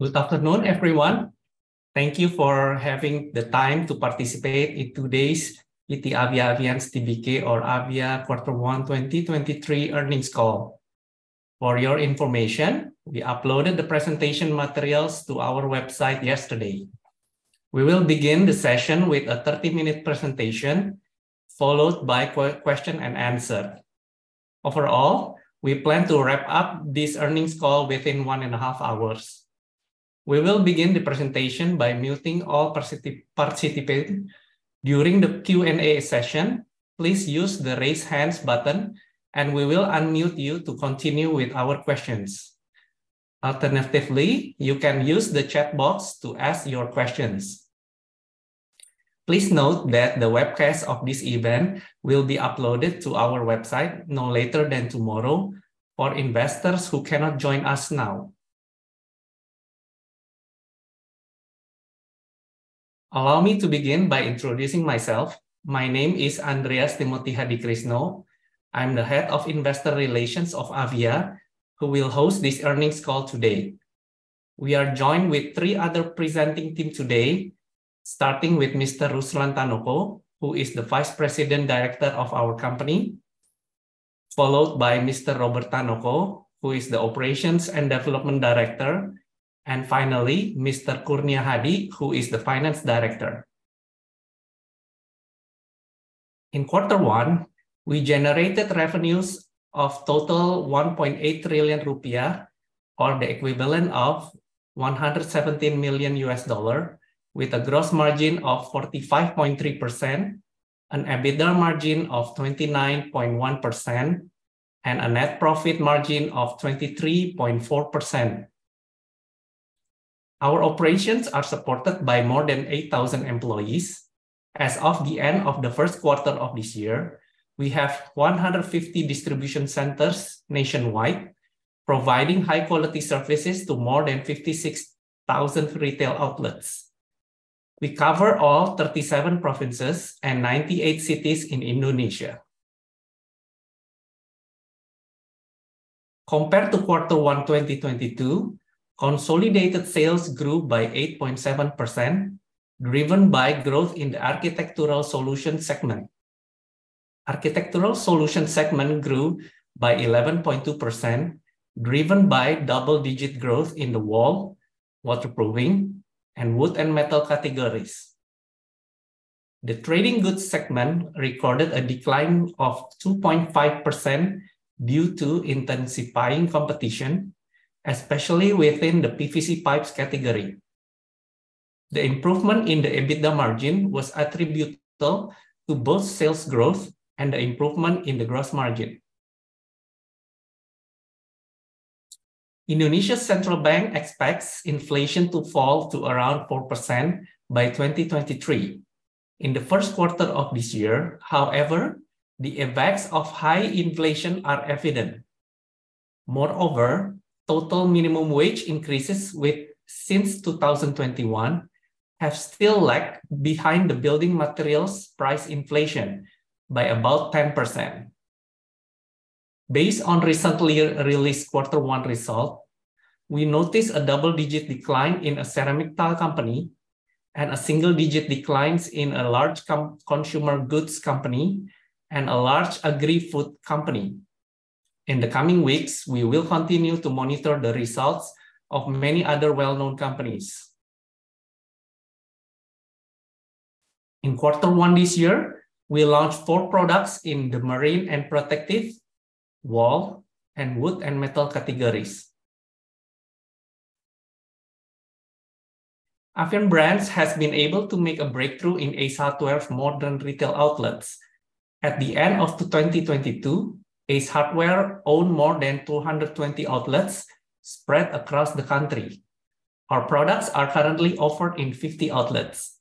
Good afternoon, everyone. Thank you for having the time to participate in today's PT Avia Avian Tbk, or Avia Q1 2023 earnings call. For your information, we uploaded the presentation materials to our website yesterday. We will begin the session with a 30-minute presentation, followed by question and answer. Overall, we plan to wrap up this earnings call within one and a half hours. We will begin the presentation by muting all participants. During the Q&A session, please use the Raise Hands button, and we will unmute you to continue with our questions. Alternatively, you can use the chat box to ask your questions. Please note that the webcast of this event will be uploaded to our website no later than tomorrow for investors who cannot join us now. Allow me to begin by introducing myself. My name is Andreas Timothy Hadikrisno. I'm the head of investor relations of Avia, who will host this earnings call today. We are joined with three other presenting team today, starting with Mr. Ruslan Tanoko, who is the Vice President Director of our company, followed by Mr. Robert Tanoko, who is the Operations and Development Director, and finally, Mr. Kurnia Hadi, who is the Finance Director. In Q1, we generated revenues of total 1.8 trillion rupiah, or the equivalent of $117 million, with a gross margin of 45.3%, an EBITDA margin of 29.1%, and a net profit margin of 23.4%. Our operations are supported by more than 8,000 employees. As of the end of the Q1 of this year, we have 150 distribution centers nationwide, providing high-quality services to more than 56,000 retail outlets. We cover all 37 provinces and 98 cities in Indonesia. Compared to Q1 2022, consolidated sales grew by 8.7%, driven by growth in the architectural solution segment. Architectural solution segment grew by 11.2%, driven by double-digit growth in the wall, waterproofing, and wood and metal categories. The trading goods segment recorded a decline of 2.5% due to intensifying competition, especially within the PVC pipes category. The improvement in the EBITDA margin was attributable to both sales growth and the improvement in the gross margin. Indonesia's central bank expects inflation to fall to around 4% by 2023. In the Q1 of this year, however, the effects of high inflation are evident. Moreover, total minimum wage increases since 2021 have still lagged behind the building materials price inflation by about 10%. Based on recently released Q1 result, we notice a double-digit decline in a ceramic tile company and a single-digit declines in a large consumer goods company and a large agri-food company. In the coming weeks, we will continue to monitor the results of many other well-known companies. In Q1 this year, we launched 4 products in the marine and protective, wall, and wood and metal categories. Avian Brands has been able to make a breakthrough in Ace Hardware's modern retail outlets. At the end of 2022, Ace Hardware owned more than 220 outlets spread across the country. Our products are currently offered in 50 outlets.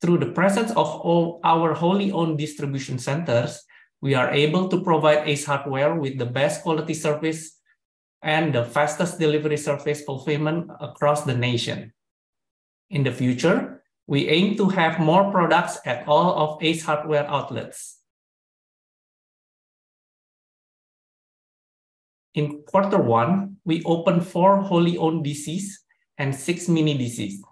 Through the presence of all our wholly-owned distribution centers, we are able to provide Ace Hardware with the best quality service and the fastest delivery service fulfillment across the nation. In the future, we aim to have more products at all of Ace Hardware outlets. In Q1, we opened four wholly-owned DCs and six mini DCs.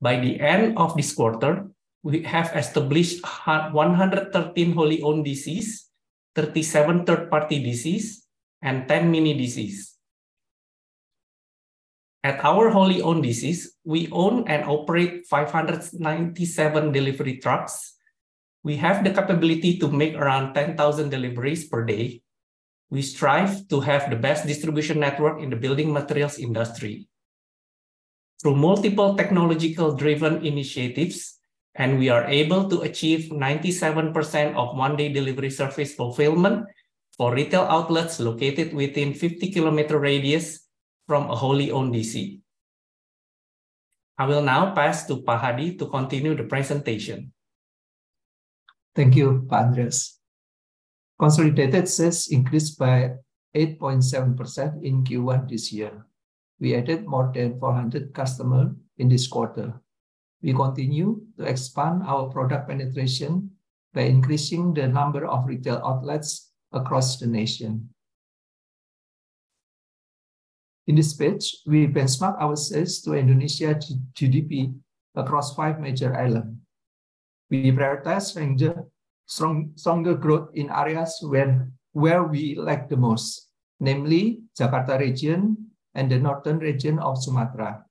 By the end of this quarter, we have established 113 wholly-owned DCs, 37 third-party DCs, and 10 mini DCs. At our wholly-owned DCs, we own and operate 597 delivery trucks. We have the capability to make around 10,000 deliveries per day. We strive to have the best distribution network in the building materials industry through multiple technology-driven initiatives, and we are able to achieve 97% of one-day delivery service fulfillment for retail outlets located within 50-kilometer radius from a wholly-owned DC. I will now pass to Pak Hadi to continue the presentation. Thank you, Pak Andreas. Consolidated sales increased by 8.7% in Q1 this year. We added more than 400 customers in this quarter. We continue to expand our product penetration by increasing the number of retail outlets across the nation. In this page, we benchmark our sales to Indonesia's GDP across five major islands. We prioritize stronger growth in areas where we lack the most, namely Jakarta region and the northern region of Sumatra.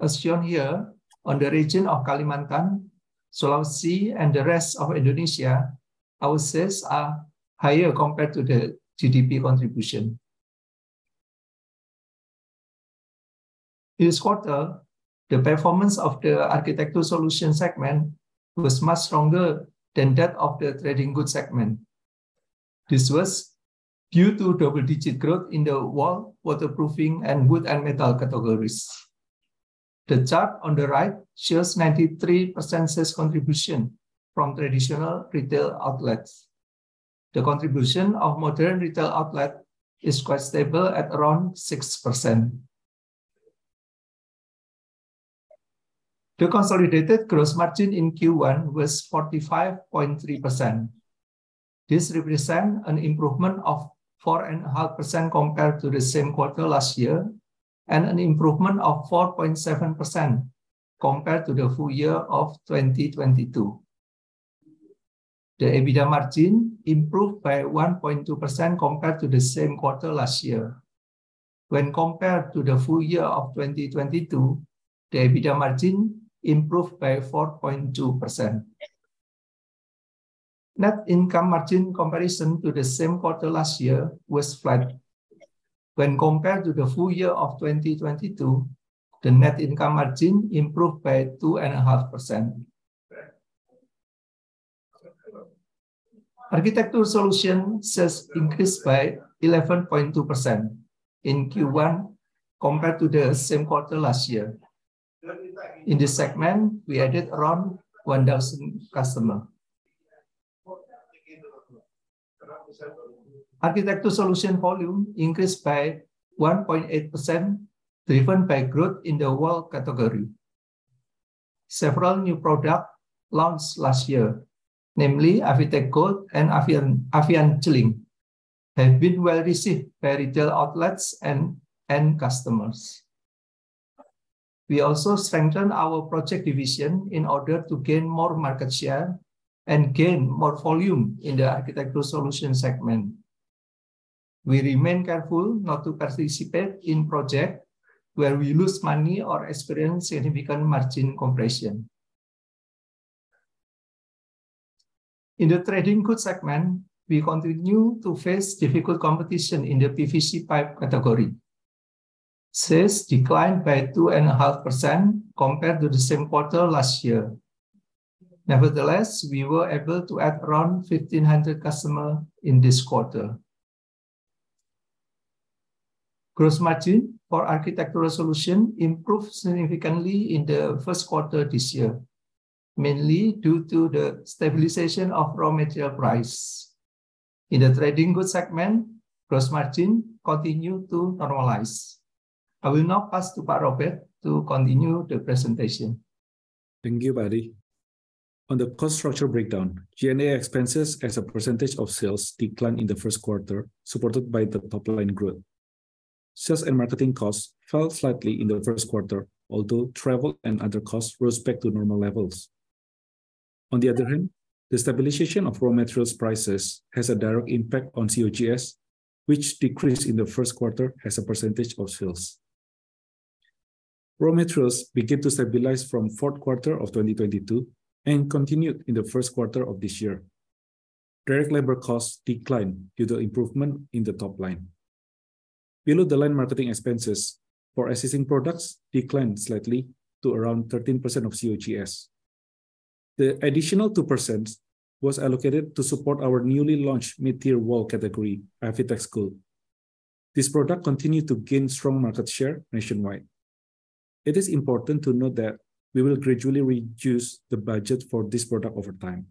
As shown here, in the region of Kalimantan, Sulawesi, and the rest of Indonesia, our sales are higher compared to the GDP contribution. This quarter, the performance of the architectural solutions segment was much stronger than that of the trading goods segment. This was due to double-digit growth in the wall, waterproofing, and wood and metal categories. The chart on the right shows 93% sales contribution from traditional retail outlets. The contribution of modern retail outlets is quite stable at around 6%. The consolidated gross margin in Q1 was 45.3%. This represents an improvement of 4.5% compared to the same quarter last year, and an improvement of 4.7% compared to the full year of 2022. The EBITDA margin improved by 1.2% compared to the same quarter last year. When compared to the full year of 2022, the EBITDA margin improved by 4.2%. Net income margin comparison to the same quarter last year was flat. When compared to the full year of 2022, the net income margin improved by 2.5%. Architectural solution sales increased by 11.2% in Q1 compared to the same quarter last year. In this segment, we added around 1,000 customers. Architectural solution volume increased by 1.8%, driven by growth in the wall category. Several new products launched last year, namely Avitex Gold and Avian, Avian Cling, have been well-received by retail outlets and end customers. We also strengthened our project division in order to gain more market share and gain more volume in the architectural solution segment. We remain careful not to participate in projects where we lose money or experience significant margin compression. In the trading goods segment, we continue to face difficult competition in the PVC pipe category. Sales declined by 2.5% compared to the same quarter last year. Nevertheless, we were able to add around 1,500 customers in this quarter. Gross margin for architectural solution improved significantly in the Q1 this year, mainly due to the stabilization of raw material price. In the trading goods segment, gross margin continued to normalize. I will now pass to Pak Robert to continue the presentation. Thank you, Hadi. On the cost structure breakdown, G&A expenses as a percentage of sales declined in the Q1, supported by the top-line growth. Sales and marketing costs fell slightly in the Q1, although travel and other costs rose back to normal levels. On the other hand, the stabilization of raw materials prices has a direct impact on COGS, which decreased in the Q1 as a percentage of sales. Raw materials began to stabilize from Q4 of 2022, and continued in the Q1 of this year. Direct labor costs declined due to improvement in the top line. Below the line, marketing expenses for existing products declined slightly to around 13% of COGS. The additional 2% was allocated to support our newly launched mid-tier wall category, Avitex Gold. This product continued to gain strong market share nationwide. It is important to note that we will gradually reduce the budget for this product over time.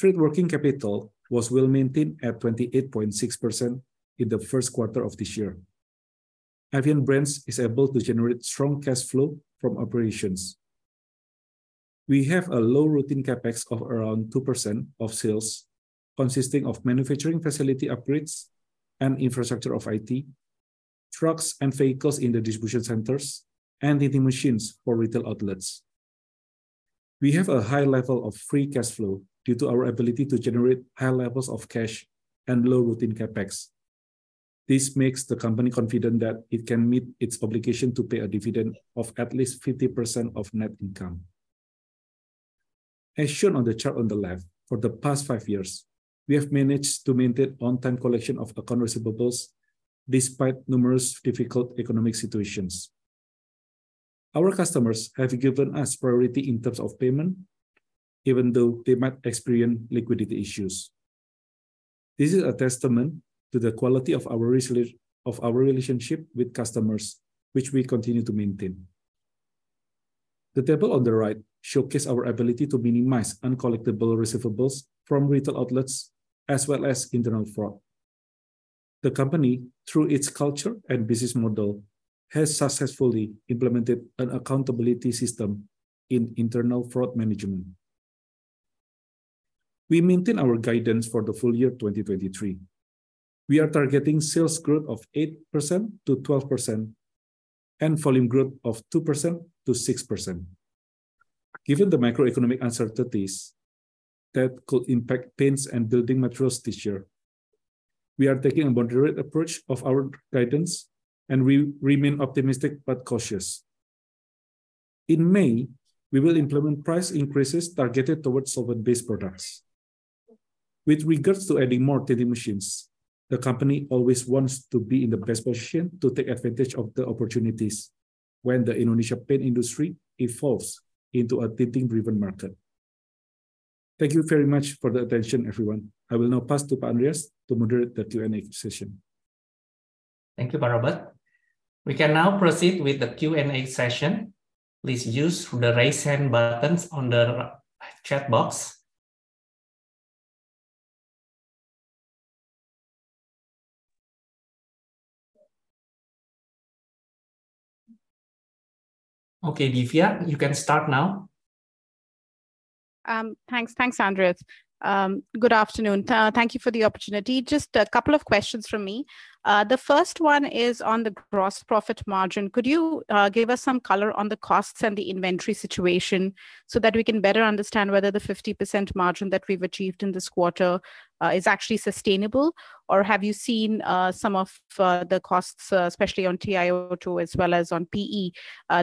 Trade working capital was well-maintained at 28.6% in the Q1 of this year. Avian Brands is able to generate strong cash flow from operations. We have a low routine CapEx of around 2% of sales, consisting of manufacturing facility upgrades and infrastructure of IT, trucks and vehicles in the distribution centers, and the machines for retail outlets. We have a high level of free cash flow due to our ability to generate high levels of cash and low routine CapEx. This makes the company confident that it can meet its obligation to pay a dividend of at least 50% of net income. As shown on the chart on the left, for the past 5 years, we have managed to maintain on-time collection of accounts receivable, despite numerous difficult economic situations. Our customers have given us priority in terms of payment, even though they might experience liquidity issues. This is a testament to the quality of our relationship with customers, which we continue to maintain.... The table on the right showcases our ability to minimize uncollectible receivables from retail outlets, as well as internal fraud. The company, through its culture and business model, has successfully implemented an accountability system in internal fraud management. We maintain our guidance for the full year 2023. We are targeting sales growth of 8%-12% and volume growth of 2%-6%. Given the macroeconomic uncertainties that could impact paints and building materials this year, we are taking a moderate approach of our guidance, and we remain optimistic but cautious. In May, we will implement price increases targeted towards solvent-based products. With regards to adding more tinting machines, the company always wants to be in the best position to take advantage of the opportunities when the Indonesian paint industry evolves into a trading-driven market. Thank you very much for the attention, everyone. I will now pass to Andreas to moderate the Q&A session. Thank you, Pak Robert. We can now proceed with the Q&A session. Please use the Raise Hand buttons on the chat box. Okay, Divya, you can start now. Thanks, thanks, Andreas. Good afternoon. Thank you for the opportunity. Just a couple of questions from me. The first one is on the gross profit margin. Could you give us some color on the costs and the inventory situation so that we can better understand whether the 50% margin that we've achieved in this quarter is actually sustainable? Or have you seen some of the costs, especially on TiO₂, as well as on PE,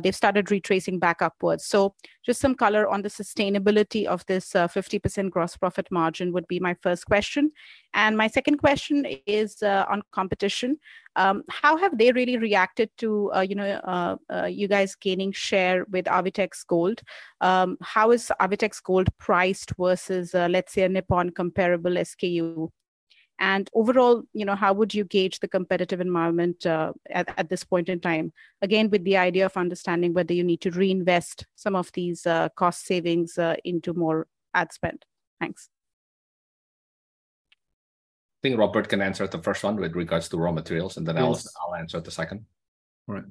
they've started retracing back upwards? So just some color on the sustainability of this 50% gross profit margin would be my first question. And my second question is on competition. How have they really reacted to you know you guys gaining share with Avitex Gold? How is Avitex Gold priced versus, let's say, a Nippon comparable SKU? And overall, you know, how would you gauge the competitive environment at this point in time? Again, with the idea of understanding whether you need to reinvest some of these cost savings into more ad spend. Thanks. I think Robert can answer the first one with regards to raw materials- Yes. And then I'll, I'll answer the second. All right.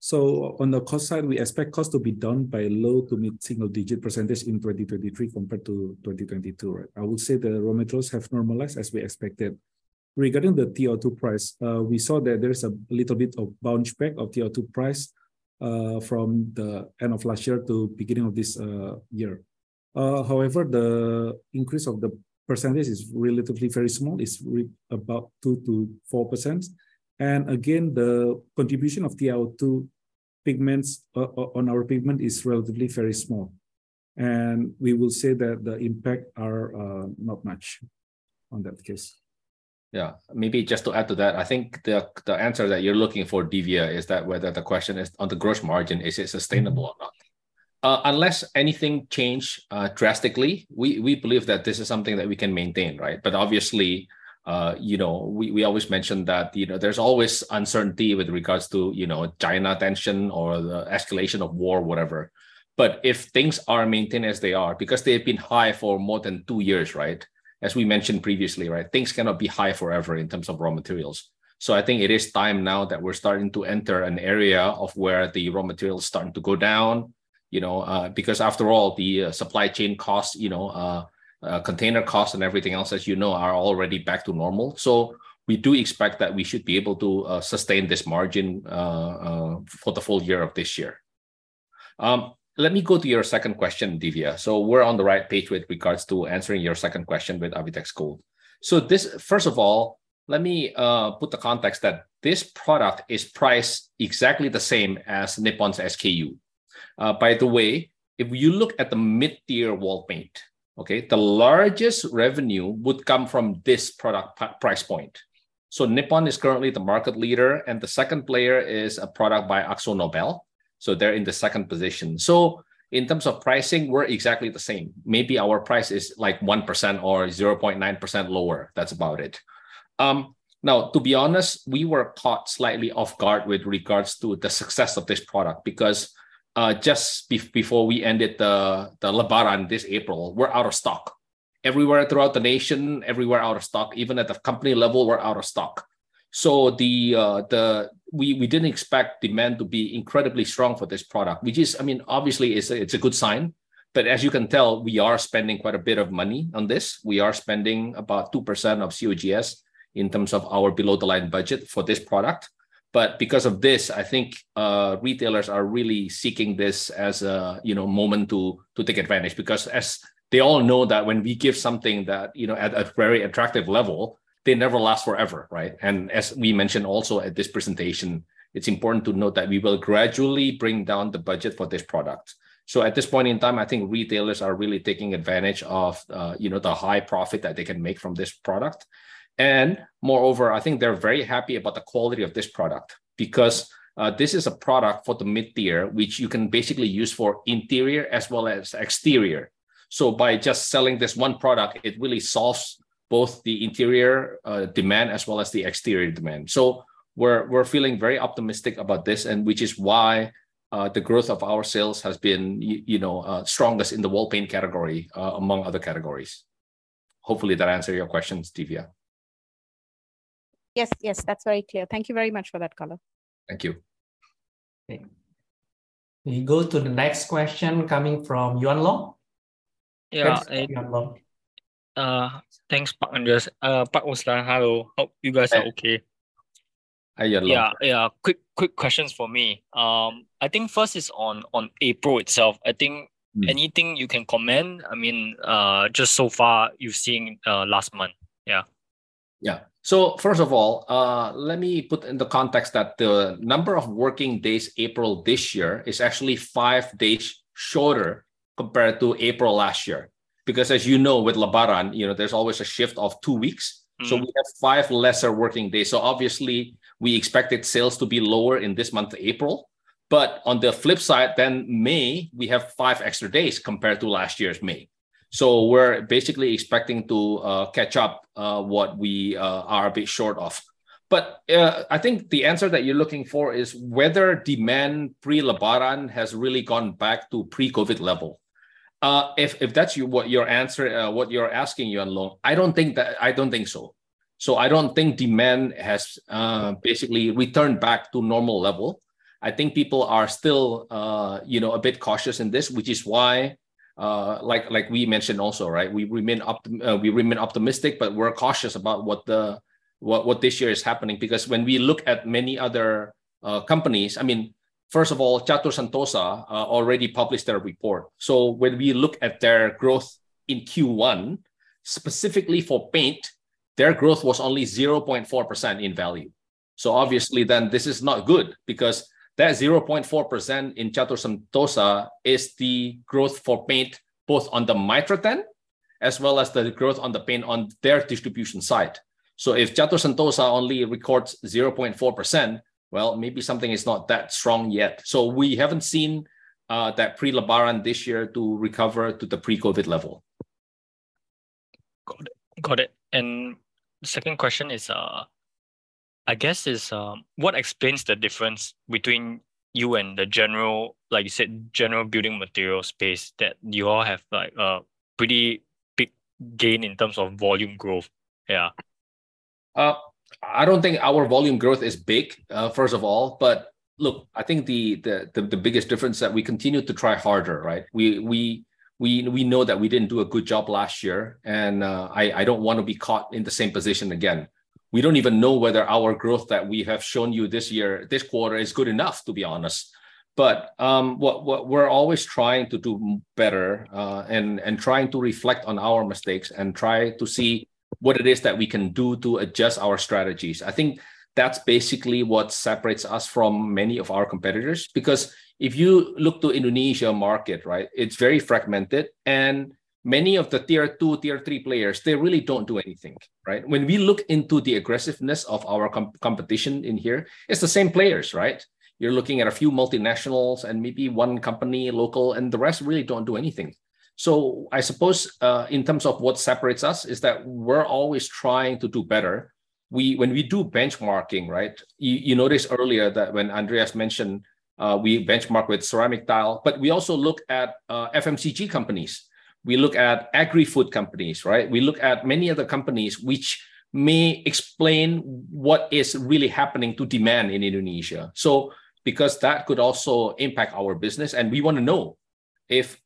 So on the cost side, we expect costs to be down by low- to mid-single-digit percentage in 2023 compared to 2022, right? I would say the raw materials have normalized as we expected. Regarding the TiO₂ price, we saw that there is a little bit of bounce back of TiO₂ price from the end of last year to beginning of this year. However, the increase of the percentage is relatively very small, it's about 2%-4%. And again, the contribution of TiO₂ pigments on our pigment is relatively very small, and we will say that the impact are not much on that case. Yeah. Maybe just to add to that, I think the answer that you're looking for, Divya, is that whether the question is on the gross margin, is it sustainable or not? Unless anything change drastically, we believe that this is something that we can maintain, right? But obviously, you know, we always mention that, you know, there's always uncertainty with regards to, you know, China tension or the escalation of war, whatever. But if things are maintained as they are, because they've been high for more than two years, right? As we mentioned previously, right, things cannot be high forever in terms of raw materials. So I think it is time now that we're starting to enter an area of where the raw materials are starting to go down, you know, because after all, the supply chain costs, you know, container costs and everything else, as you know, are already back to normal. So we do expect that we should be able to sustain this margin for the full year of this year. Let me go to your second question, Divya. So we're on the right page with regards to answering your second question with Avitex Gold. First of all, let me put the context that this product is priced exactly the same as Nippon's SKU. By the way, if you look at the mid-tier wall paint, okay, the largest revenue would come from this product price point. So Nippon is currently the market leader, and the second player is a product by AkzoNobel, so they're in the second position. So in terms of pricing, we're exactly the same. Maybe our price is, like, 1% or 0.9% lower, that's about it. Now, to be honest, we were caught slightly off guard with regards to the success of this product because just before we ended the Lebaran this April, we're out of stock. Everywhere throughout the nation, everywhere out of stock. Even at the company level, we're out of stock. We didn't expect demand to be incredibly strong for this product, which is... I mean, obviously, it's a good sign. But as you can tell, we are spending quite a bit of money on this. We are spending about 2% of COGS in terms of our below-the-line budget for this product. But because of this, I think, retailers are really seeking this as a, you know, moment to, to take advantage. Because as they all know, that when we give something that, you know, at a, at very attractive level, they never last forever, right? And as we mentioned also at this presentation, it's important to note that we will gradually bring down the budget for this product. So at this point in time, I think retailers are really taking advantage of, you know, the high profit that they can make from this product. And moreover, I think they're very happy about the quality of this product, because, this is a product for the mid-tier, which you can basically use for interior as well as exterior. So by just selling this one product, it really solves both the interior demand as well as the exterior demand. We're feeling very optimistic about this, and which is why the growth of our sales has been you know strongest in the wall paint category among other categories. Hopefully that answer your question, Divya. Yes. Yes, that's very clear. Thank you very much for that, Kurnia. Thank you. Okay. We go to the next question coming from Yuan Loh. Yeah, I- Thanks, Yuan Loh. Thanks, Pak Andreas. Pak Ruslan, hello. Hope you guys are okay. Hi. Hi, Yuan Loh. Yeah, yeah, quick, quick questions for me. I think first is on, on April itself. I think- Mm... anything you can comment, I mean, just so far you've seen, last month? Yeah. Yeah. So first of all, let me put in the context that the number of working days April this year is actually five days shorter compared to April last year. Because as you know, with Lebaran, you know, there's always a shift of two weeks. Mm. We have five lesser working days. So obviously, we expected sales to be lower in this month, April, but on the flip side, then May, we have five extra days compared to last year's May. So we're basically expecting to catch up what we are a bit short of. But I think the answer that you're looking for is whether demand pre-Lebaran has really gone back to pre-COVID level. If that's what you're asking, Yuan Loh, I don't think that... I don't think so. So I don't think demand has basically returned back to normal level. I think people are still, you know, a bit cautious in this, which is why, like we mentioned also, right? We remain optimistic, but we're cautious about what this year is happening. Because when we look at many other companies... I mean, first of all, Catur Santosa already published their report. So when we look at their growth in Q1, specifically for paint, their growth was only 0.4% in value. So obviously, then, this is not good, because that 0.4% in Catur Santosa is the growth for paint, both on the Mitra10 as well as the growth on the paint on their distribution side. So if Catur Santosa only records 0.4%, well, maybe something is not that strong yet. So we haven't seen that pre-Lebaran this year to recover to the pre-COVID level. Got it. Got it. Second question is, I guess, what explains the difference between you and the general, like you said, general building material space, that you all have, like, a pretty big gain in terms of volume growth? Yeah. I don't think our volume growth is big, first of all, but look, I think the biggest difference is that we continue to try harder, right? We know that we didn't do a good job last year, and I don't wanna be caught in the same position again. We don't even know whether our growth that we have shown you this year, this quarter, is good enough, to be honest. But, we're always trying to do better, and trying to reflect on our mistakes and try to see what it is that we can do to adjust our strategies. I think that's basically what separates us from many of our competitors. Because if you look to Indonesia market, right, it's very fragmented, and many of the Tier 2, Tier 3 players, they really don't do anything, right? When we look into the aggressiveness of our competition in here, it's the same players, right? You're looking at a few multinationals and maybe one company, local, and the rest really don't do anything. So I suppose in terms of what separates us, is that we're always trying to do better. When we do benchmarking, right, you noticed earlier that when Andreas mentioned, we benchmark with ceramic tile, but we also look at FMCG companies. We look at agri-food companies, right? We look at many other companies which may explain what is really happening to demand in Indonesia. So because that could also impact our business, and we wanna know if,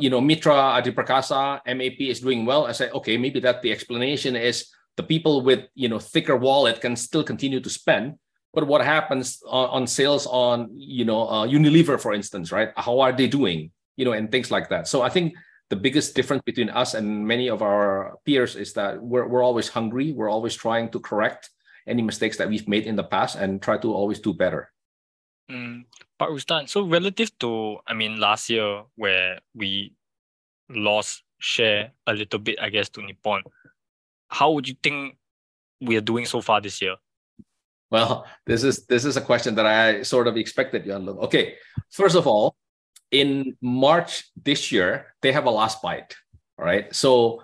you know, Mitra Adiperkasa, MAP, is doing well, I say, "Okay, maybe that, the explanation is the people with, you know, thicker wallet can still continue to spend." But what happens on sales on, you know, Unilever, for instance, right? How are they doing? You know, and things like that. So I think the biggest difference between us and many of our peers is that we're, we're always hungry, we're always trying to correct any mistakes that we've made in the past and try to always do better. Pak Ruslan, so relative to, I mean, last year, where we lost share a little bit, I guess, to Nippon, how would you think we are doing so far this year? Well, this is a question that I sort of expected, Yuan Loh. Okay, first of all, in March this year, they have a last bite, right? So,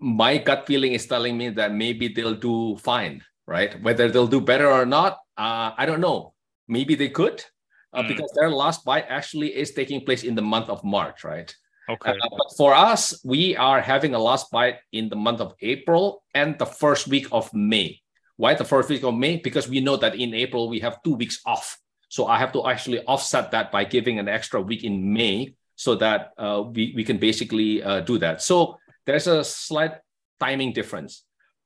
my gut feeling is telling me that maybe they'll do fine, right? Whether they'll do better or not, I don't know. Maybe they could- Mm... because their last bite actually is taking place in the month of March, right? Okay. But for us, we are having a last bite in the month of April and the first week of May. Why the first week of May? Because we know that in April we have two weeks off, so I have to actually offset that by giving an extra week in May so that we, we can basically do that. So there's a slight timing difference.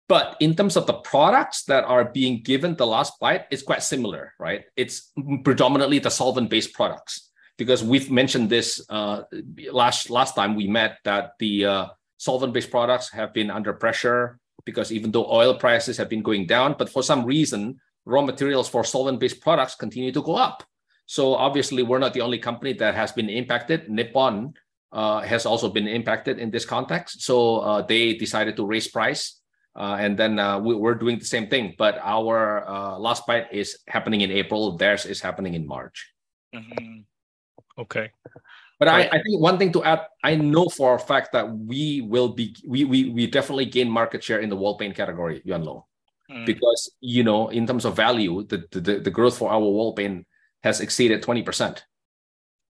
But in terms of the products that are being given the last bite, it's quite similar, right? It's predominantly the solvent-based products. Because we've mentioned this last, last time we met, that the solvent-based products have been under pressure. Because even though oil prices have been going down, but for some reason, raw materials for solvent-based products continue to go up. So obviously, we're not the only company that has been impacted. Nippon has also been impacted in this context, so they decided to raise price. Then, we're doing the same thing, but our price hike is happening in April, theirs is happening in March. Mm-hmm.... Okay. But I think one thing to add, I know for a fact that we will definitely gain market share in the wall paint category, Yuan Loh. Mm. Because, you know, in terms of value, the growth for our wall paint has exceeded 20%.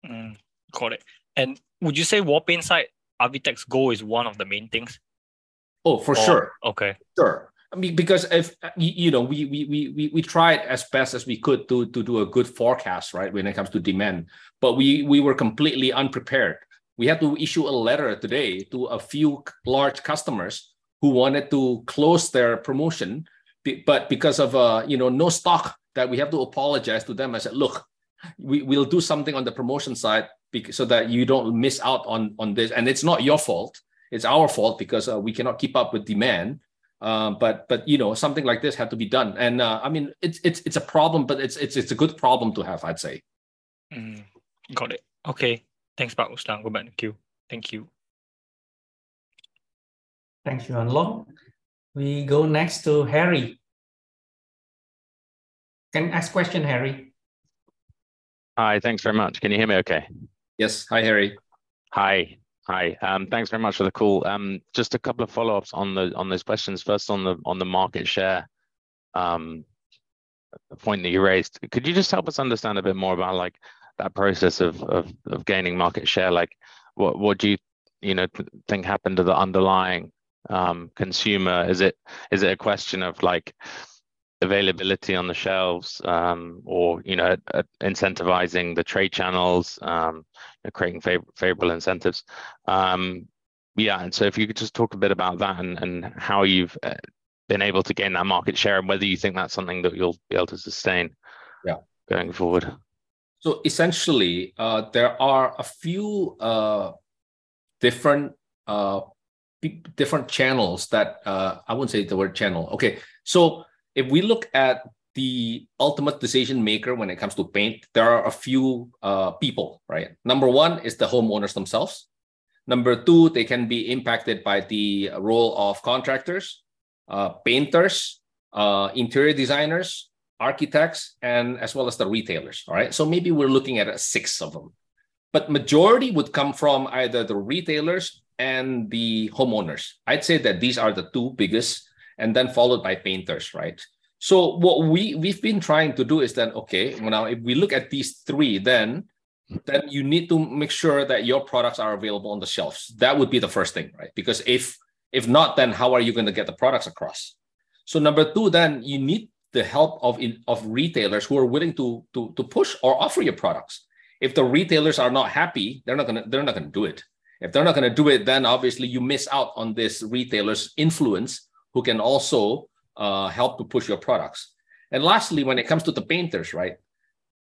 Mm, got it. Would you say wall paint side, Avitex Gold is one of the main things? Oh, for sure. Oh, okay. Sure. I mean, because if you know, we tried as best as we could to do a good forecast, right, when it comes to demand. But we were completely unprepared. We had to issue a letter today to a few large customers who wanted to close their promotion, but because of, you know, no stock, that we have to apologize to them. I said, "Look, we'll do something on the promotion side so that you don't miss out on this. And it's not your fault, it's our fault, because we cannot keep up with demand." But you know, something like this had to be done. And I mean, it's a problem, but it's a good problem to have, I'd say. Mm, got it. Okay. Thanks, Pak Ruslan. Go back to you. Thank you. Thank you, Yuan Loh. We go next to Harry. Can ask question, Harry. Hi, thanks very much. Can you hear me okay? Yes. Hi, Harry. Hi. Hi, thanks very much for the call. Just a couple of follow-ups on those questions. First on the market share, the point that you raised. Could you just help us understand a bit more about, like, that process of gaining market share? Like, what do you, you know, think happened to the underlying consumer? Is it a question of, like, availability on the shelves, or, you know, incentivizing the trade channels, and creating favorable incentives? Yeah, and so if you could just talk a bit about that and how you've been able to gain that market share, and whether you think that's something that you'll be able to sustain- Yeah... going forward. So essentially, there are a few different channels that... I wouldn't say the word channel. Okay, so if we look at the ultimate decision maker when it comes to paint, there are a few people, right? Number one is the homeowners themselves. Number two, they can be impacted by the role of contractors, painters, interior designers, architects, and as well as the retailers. All right? So maybe we're looking at six of them. But majority would come from either the retailers and the homeowners. I'd say that these are the two biggest, and then followed by painters, right? So what we've been trying to do is then, okay, now, if we look at these three, then- Mm... then you need to make sure that your products are available on the shelves. That would be the first thing, right? Because if not, then how are you gonna get the products across? So number two, then you need the help of retailers who are willing to push or offer your products. If the retailers are not happy, they're not gonna do it. If they're not gonna do it, then obviously you miss out on this retailer's influence, who can also help to push your products. And lastly, when it comes to the painters, right,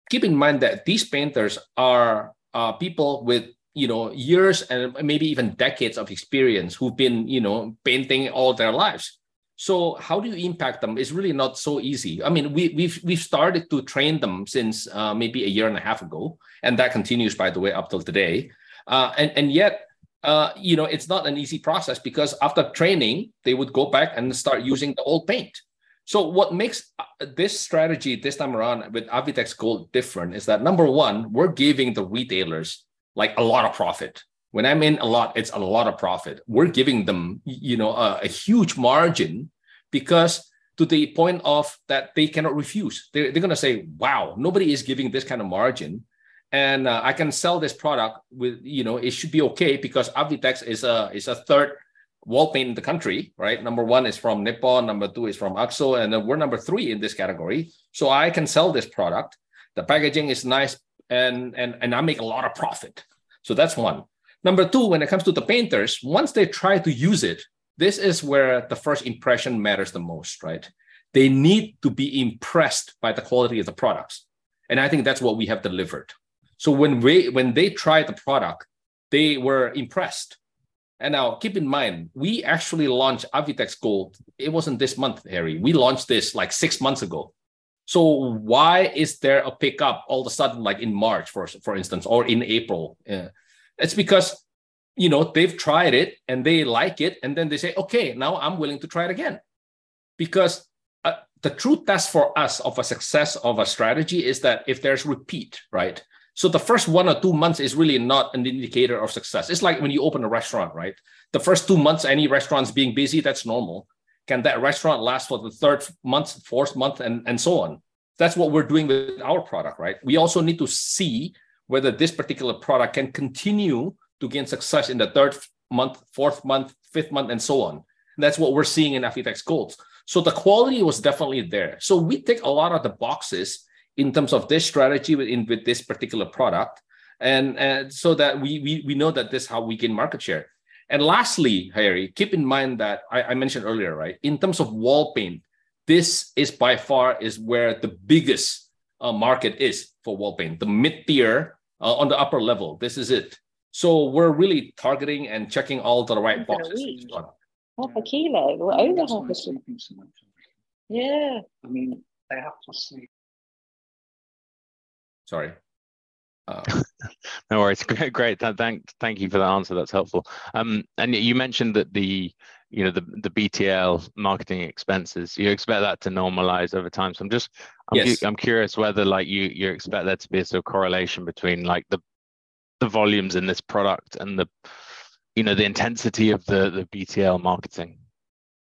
keep in mind that these painters are people with, you know, years and maybe even decades of experience, who've been, you know, painting all their lives. So how do you impact them? It's really not so easy. I mean, we've started to train them since maybe a year and a half ago, and that continues, by the way, up till today. And yet, you know, it's not an easy process. Because after training, they would go back and start using the old paint. So what makes this strategy, this time around with Avitex Gold different is that, number one, we're giving the retailers, like, a lot of profit. When I mean a lot, it's a lot of profit. We're giving them, you know, a huge margin, because to the point of that, they cannot refuse. They're gonna say, "Wow, nobody is giving this kind of margin. And, I can sell this product with... You know, it should be okay because Avitex is a third wall paint in the country, right? Number one is from Nippon, number two is from AkzoNobel, and then we're number three in this category. So I can sell this product. The packaging is nice, and, and, and I make a lot of profit." So that's one. Number two, when it comes to the painters, once they try to use it, this is where the first impression matters the most, right? They need to be impressed by the quality of the products, and I think that's what we have delivered. So when they try the product, they were impressed. And now, keep in mind, we actually launched Avitex Gold, it wasn't this month, Harry. We launched this, like, six months ago. So why is there a pickup all of a sudden, like, in March, for instance, or in April? It's because, you know, they've tried it, and they like it, and then they say, "Okay, now I'm willing to try it again." Because, the true test for us of a success of a strategy is that if there's repeat, right? So the first one or two months is really not an indicator of success. It's like when you open a restaurant, right? The first two months, any restaurant's being busy, that's normal. Can that restaurant last for the third month, fourth month, and, and so on? That's what we're doing with our product, right? We also need to see whether this particular product can continue to gain success in the third month, fourth month, fifth month, and so on. That's what we're seeing in Avitex Gold. So the quality was definitely there. So we tick a lot of the boxes in terms of this strategy within this particular product. And so that we know that this is how we gain market share. And lastly, Harry, keep in mind that I mentioned earlier, right, in terms of wall paint, this by far is where the biggest market is for wall paint. The mid-tier on the upper level, this is it. So we're really targeting and checking all the right boxes.... Half a kilo, we're over half a kilo. Mm-hmm. Yeah. I mean, they have to see. Sorry, No worries. Great. Thank you for that answer. That's helpful. And you mentioned that, you know, the BTL marketing expenses, you expect that to normalize over time. So I'm just- Yes... I'm curious whether, like, you expect there to be a sort of correlation between, like, the volumes in this product and the, you know, the intensity of the BTL marketing?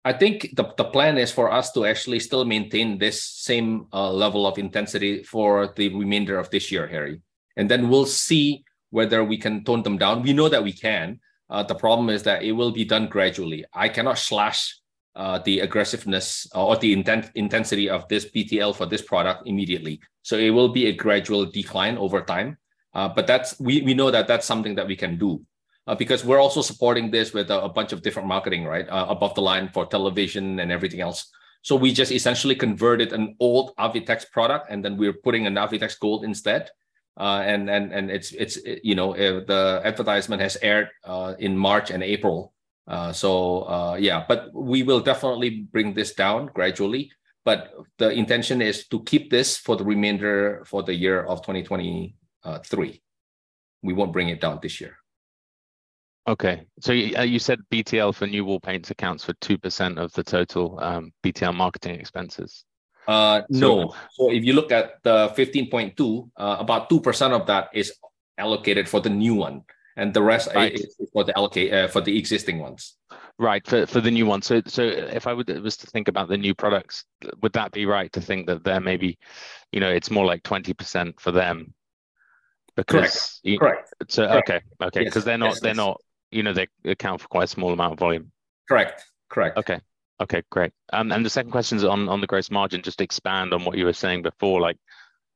I think the plan is for us to actually still maintain this same level of intensity for the remainder of this year, Harry, and then we'll see whether we can tone them down. We know that we can. The problem is that it will be done gradually. I cannot slash the aggressiveness or the intensity of this BTL for this product immediately. So it will be a gradual decline over time. But that's we know that that's something that we can do, because we're also supporting this with a bunch of different marketing, right? Above the line for television and everything else. So we just essentially converted an old Avitex product, and then we're putting an Avitex Gold instead. And it's, you know, the advertisement has aired in March and April. So, yeah. But we will definitely bring this down gradually, but the intention is to keep this for the remainder for the year of 2023. We won't bring it down this year. Okay. So you said BTL for new wall paints accounts for 2% of the total, BTL marketing expenses? No. So if you look at the 15.2, about 2% of that is allocated for the new one, and the rest- Right... is for the allocation, for the existing ones. Right, for the new one. So if I were to just think about the new products, would that be right to think that there may be, you know, it's more like 20% for them? Because- Correct. Correct. So, okay. Correct. Okay. Yes, yes. 'Cause they're not, they're not, you know, they account for quite a small amount of volume. Correct. Correct. Okay. Okay, great. And the second question is on, on the gross margin. Just expand on what you were saying before, like,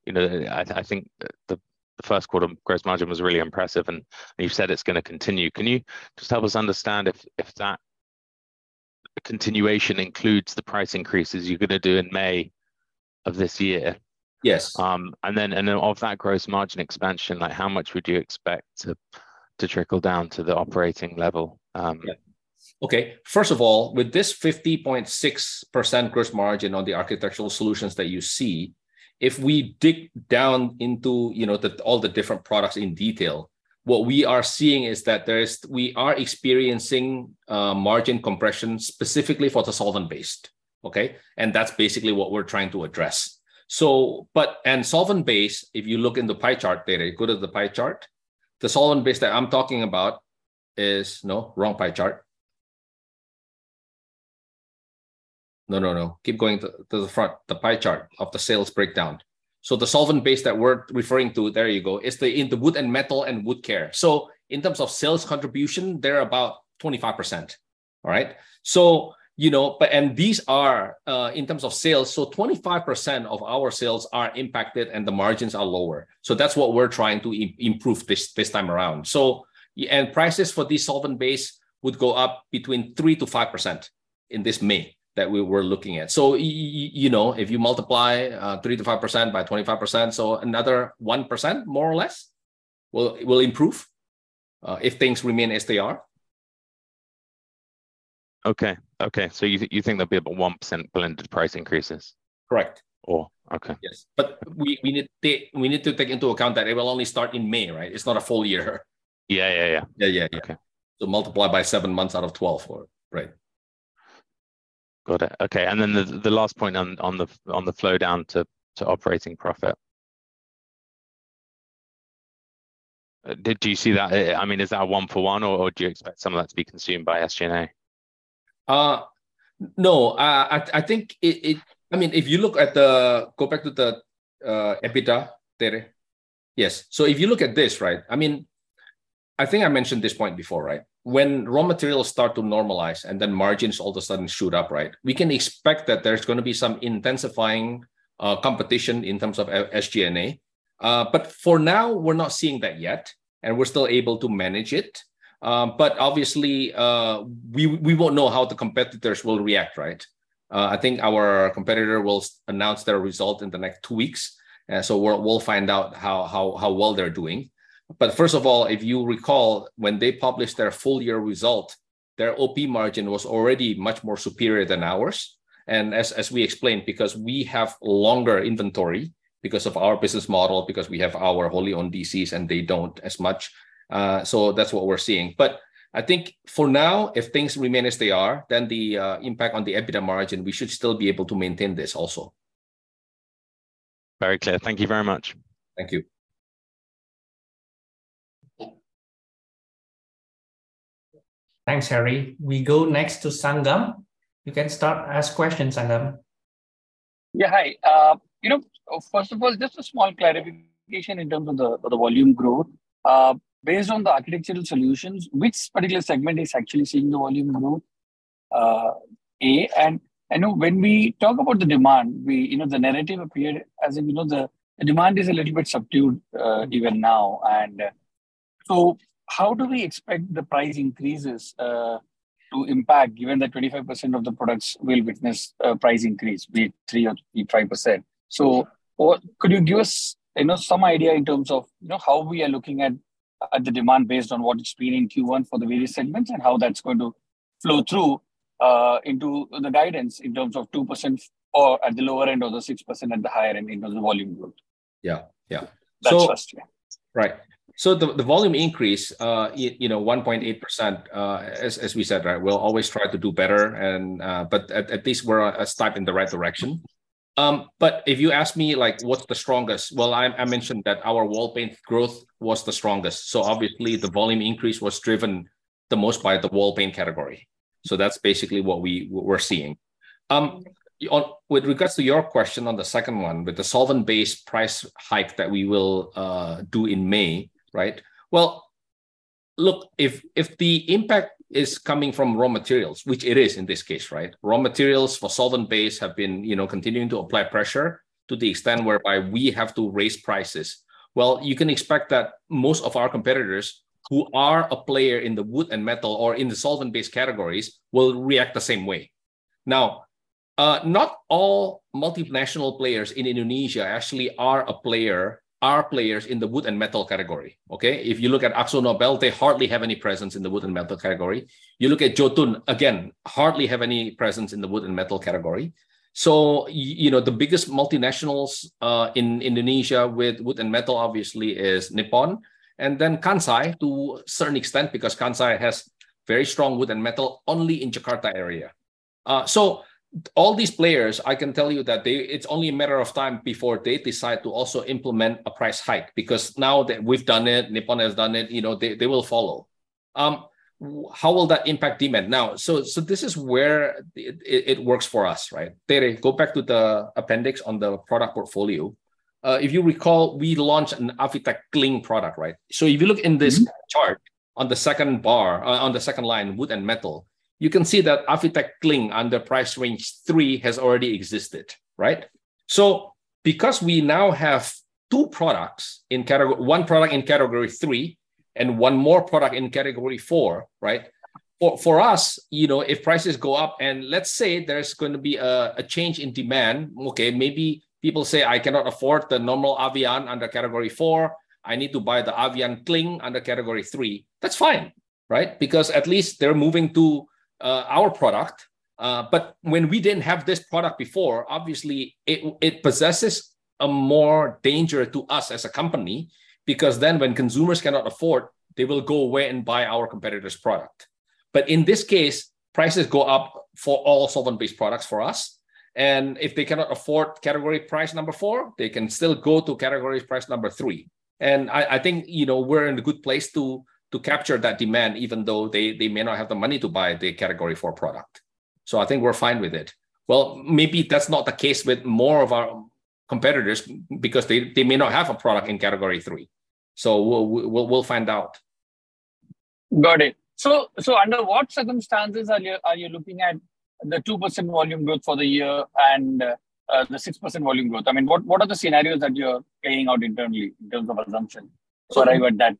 you know, I, I think the, the Q1 gross margin was really impressive, and, and you've said it's going to continue. Can you just help us understand if, if that continuation includes the price increases you're going to do in May of this year? Yes. And then of that gross margin expansion, like, how much would you expect to trickle down to the operating level? Yeah. Okay. First of all, with this 50.6% gross margin on the architectural solutions that you see, if we dig down into, you know, the, all the different products in detail, what we are seeing is that there is- we are experiencing margin compression specifically for the solvent-based, okay? And that's basically what we're trying to address. So, but... And solvent-based, if you look in the pie chart there, go to the pie chart. The solvent-based that I'm talking about is... No, wrong pie chart. No, no, no. Keep going to, to the front, the pie chart of the sales breakdown. So the solvent-based that we're referring to, there you go, is the in the wood and metal and wood care. So in terms of sales contribution, they're about 25%. All right? So, you know, but and these are in terms of sales, so 25% of our sales are impacted, and the margins are lower. So that's what we're trying to improve this time around. So, yeah, and prices for this solvent-based would go up between 3%-5% in this May that we were looking at. So, you know, if you multiply three to five percent by 25%, so another 1%, more or less, will improve if things remain as they are. Okay. Okay, so you, you think there'll be about 1% blended price increases? Correct. Oh, okay. Yes. But we need to take into account that it will only start in May, right? It's not a full year. Yeah, yeah, yeah. Yeah, yeah. Okay. Multiply by 7 months out of 12 for it, right? Got it. Okay, and then the last point on the flow down to operating profit. Did you see that? I mean, is that a 1-for-1, or do you expect some of that to be consumed by SG&A? No, I think it... I mean, if you look at the, go back to the EBITDA, Harry. Yes. So if you look at this, right, I mean, I think I mentioned this point before, right? When raw materials start to normalize, and then margins all of a sudden shoot up, right, we can expect that there's going to be some intensifying competition in terms of SG&A. But for now, we're not seeing that yet, and we're still able to manage it. But obviously, we won't know how the competitors will react, right? I think our competitor will announce their result in the next two weeks, so we'll find out how well they're doing. But first of all, if you recall, when they published their full year result, their OP margin was already much more superior than ours. And as we explained, because we have longer inventory, because of our business model, because we have our wholly owned DCs, and they don't as much. So that's what we're seeing. But I think for now, if things remain as they are, then the impact on the EBITDA margin, we should still be able to maintain this also. Very clear. Thank you very much. Thank you. Thanks, Harry. We go next to Sangam. You can start to ask questions, Sangam. Yeah, hi. You know, first of all, just a small clarification in terms of the volume growth. Based on the architectural solutions, which particular segment is actually seeing the volume growth, A? And I know when we talk about the demand, we, you know, the narrative appeared as if, you know, the demand is a little bit subdued, even now. So how do we expect the price increases to impact, given that 25% of the products will witness a price increase, be it 3% or 5%? So could you give us, you know, some idea in terms of, you know, how we are looking at, at the demand based on what it's been in Q1 for the various segments, and how that's going to flow through into the guidance in terms of 2% or at the lower end, or the 6% at the higher end in terms of volume growth? Yeah, yeah. That's first, yeah. Right. So the volume increase, you know, 1.8%, as we said, right, we'll always try to do better and, but at least we're a step in the right direction. But if you ask me, like, what's the strongest? Well, I mentioned that our wall paint growth was the strongest, so obviously the volume increase was driven the most by the wall paint category. So that's basically what we're seeing. With regards to your question on the second one, with the solvent-based price hike that we will do in May, right? Well, look, if the impact is coming from raw materials, which it is in this case, right? Raw materials for solvent-based have been, you know, continuing to apply pressure to the extent whereby we have to raise prices. Well, you can expect that most of our competitors who are a player in the wood and metal or in the solvent-based categories will react the same way. Now, not all multinational players in Indonesia actually are players in the wood and metal category, okay? If you look at AkzoNobel, they hardly have any presence in the wood and metal category. You look at Jotun, again, hardly have any presence in the wood and metal category. So you know, the biggest multinationals in Indonesia with wood and metal, obviously, is Nippon and then Kansai, to a certain extent, because Kansai has very strong wood and metal only in Jakarta area. So all these players, I can tell you that they... It's only a matter of time before they decide to also implement a price hike because now that we've done it, Nippon has done it, you know, they, they will follow. How will that impact demand? Now, this is where it works for us, right? There, go back to the appendix on the product portfolio. If you recall, we launched an Avian Cling product, right? So if you look in this- Mm-hmm... chart, on the second bar, on the second line, wood and metal, you can see that Avian Cling under price range three has already existed, right? So because we now have two products in category... One product in category three and one more product in category four, right? For us, you know, if prices go up and let's say there's going to be a change in demand, okay, maybe people say, "I cannot afford the normal Avian under category four. I need to buy the Avian Cling under category three," that's fine, right? Because at least they're moving to our product. But when we didn't have this product before, obviously it possesses a more danger to us as a company because then when consumers cannot afford, they will go away and buy our competitor's product. But in this case, prices go up for all solvent-based products for us, and if they cannot afford category price number 4, they can still go to category price number 3. And I think, you know, we're in a good place to capture that demand, even though they may not have the money to buy the category 4 product. So I think we're fine with it. Well, maybe that's not the case with more of our competitors because they may not have a product in category 3. So we'll find out. Got it. So under what circumstances are you looking at the 2% volume growth for the year and the 6% volume growth? I mean, what are the scenarios that you're laying out internally in terms of assumption for that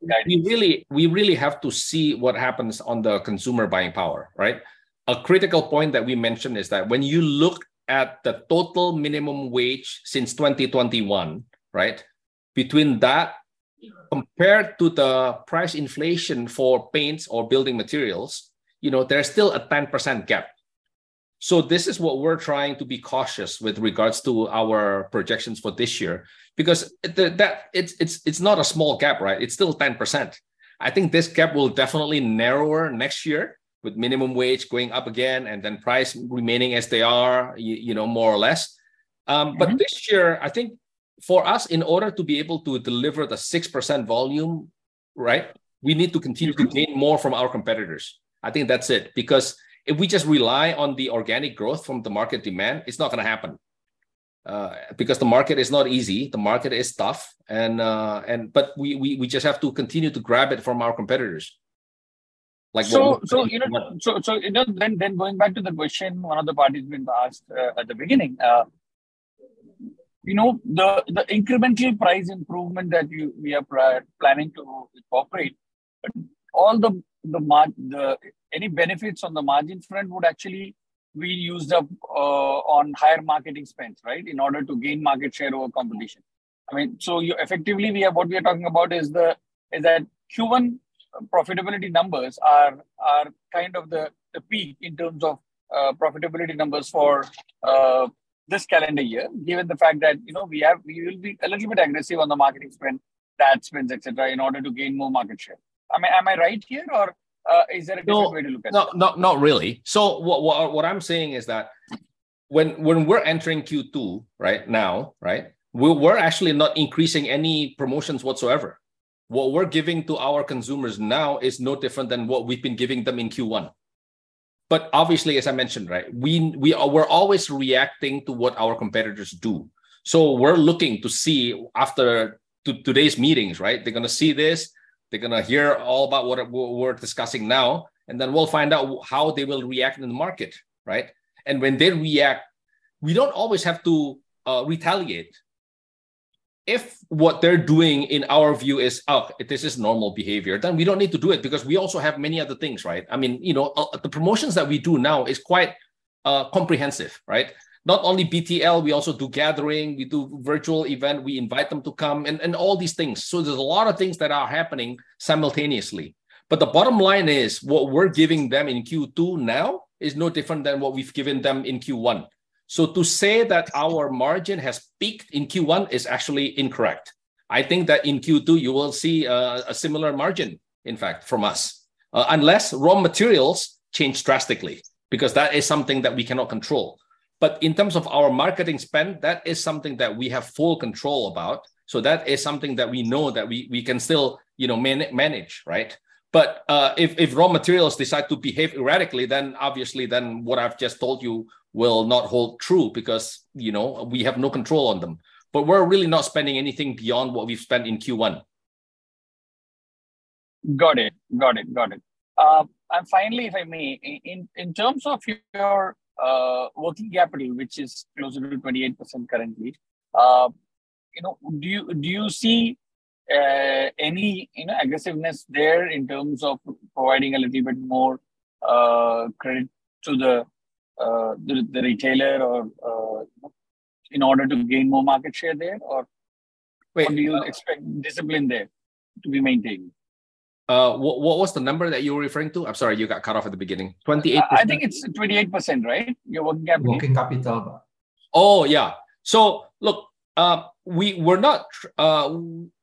guidance? We really, we really have to see what happens on the consumer buying power, right? A critical point that we mentioned is that when you look at the total minimum wage since 2021, right? Between that, compared to the price inflation for paints or building materials, you know, there's still a 10% gap. So this is what we're trying to be cautious with regards to our projections for this year, because that... It's, it's, it's not a small gap, right? It's still 10%. I think this gap will definitely narrower next year, with minimum wage going up again and then price remaining as they are, you know, more or less. Mm-hmm. But this year, I think for us, in order to be able to deliver the 6% volume, right, we need to continue- Mm-hmm... to gain more from our competitors. I think that's it. Because if we just rely on the organic growth from the market demand, it's not gonna happen, because the market is not easy, the market is tough, and but we just have to continue to grab it from our competitors. Like what we- So, you know, going back to the question one of the parties been asked at the beginning, you know, the incremental price improvement that we are planning to incorporate, but all the margin. Any benefits on the margin front would actually be used up on higher marketing spends, right? In order to gain market share over competition. I mean, so effectively, what we are talking about is that Q1 profitability numbers are kind of the peak in terms of profitability numbers for this calendar year, given the fact that, you know, we will be a little bit aggressive on the marketing spend, ad spends, et cetera, in order to gain more market share. Am I, am I right here, or, is there a different way to look at it? No, not, not really. So what, what, what I'm saying is that when, when we're entering Q2, right now, right, we're, we're actually not increasing any promotions whatsoever. What we're giving to our consumers now is no different than what we've been giving them in Q1. But obviously, as I mentioned, right, we are, we're always reacting to what our competitors do. So we're looking to see after today's meetings, right? They're gonna see this, they're gonna hear all about what we're, we're discussing now, and then we'll find out how they will react in the market, right? And when they react, we don't always have to retaliate. If what they're doing, in our view, is, "Oh, this is normal behavior," then we don't need to do it because we also have many other things, right? I mean, you know, the promotions that we do now is quite comprehensive, right? Not only BTL, we also do gathering, we do virtual event, we invite them to come, and, and all these things. So there's a lot of things that are happening simultaneously. But the bottom line is, what we're giving them in Q2 now is no different than what we've given them in Q1. So to say that our margin has peaked in Q1 is actually incorrect. I think that in Q2 you will see a similar margin, in fact, from us. Unless raw materials change drastically, because that is something that we cannot control. But in terms of our marketing spend, that is something that we have full control about. So that is something that we know that we, we can still, you know, manage, right? But, if raw materials decide to behave erratically, then obviously then what I've just told you will not hold true because, you know, we have no control on them. But we're really not spending anything beyond what we've spent in Q1. Got it. Got it. Got it. And finally, if I may, in terms of your working capital, which is closer to 28% currently, you know, do you see any, you know, aggressiveness there in terms of providing a little bit more credit to the retailer or in order to gain more market share there? Or- Well- Do you expect discipline there to be maintained? What was the number that you were referring to? I'm sorry, you got cut off at the beginning. 28%? I think it's 28%, right? Your working capital. Working capital. Oh, yeah. So look, we're not...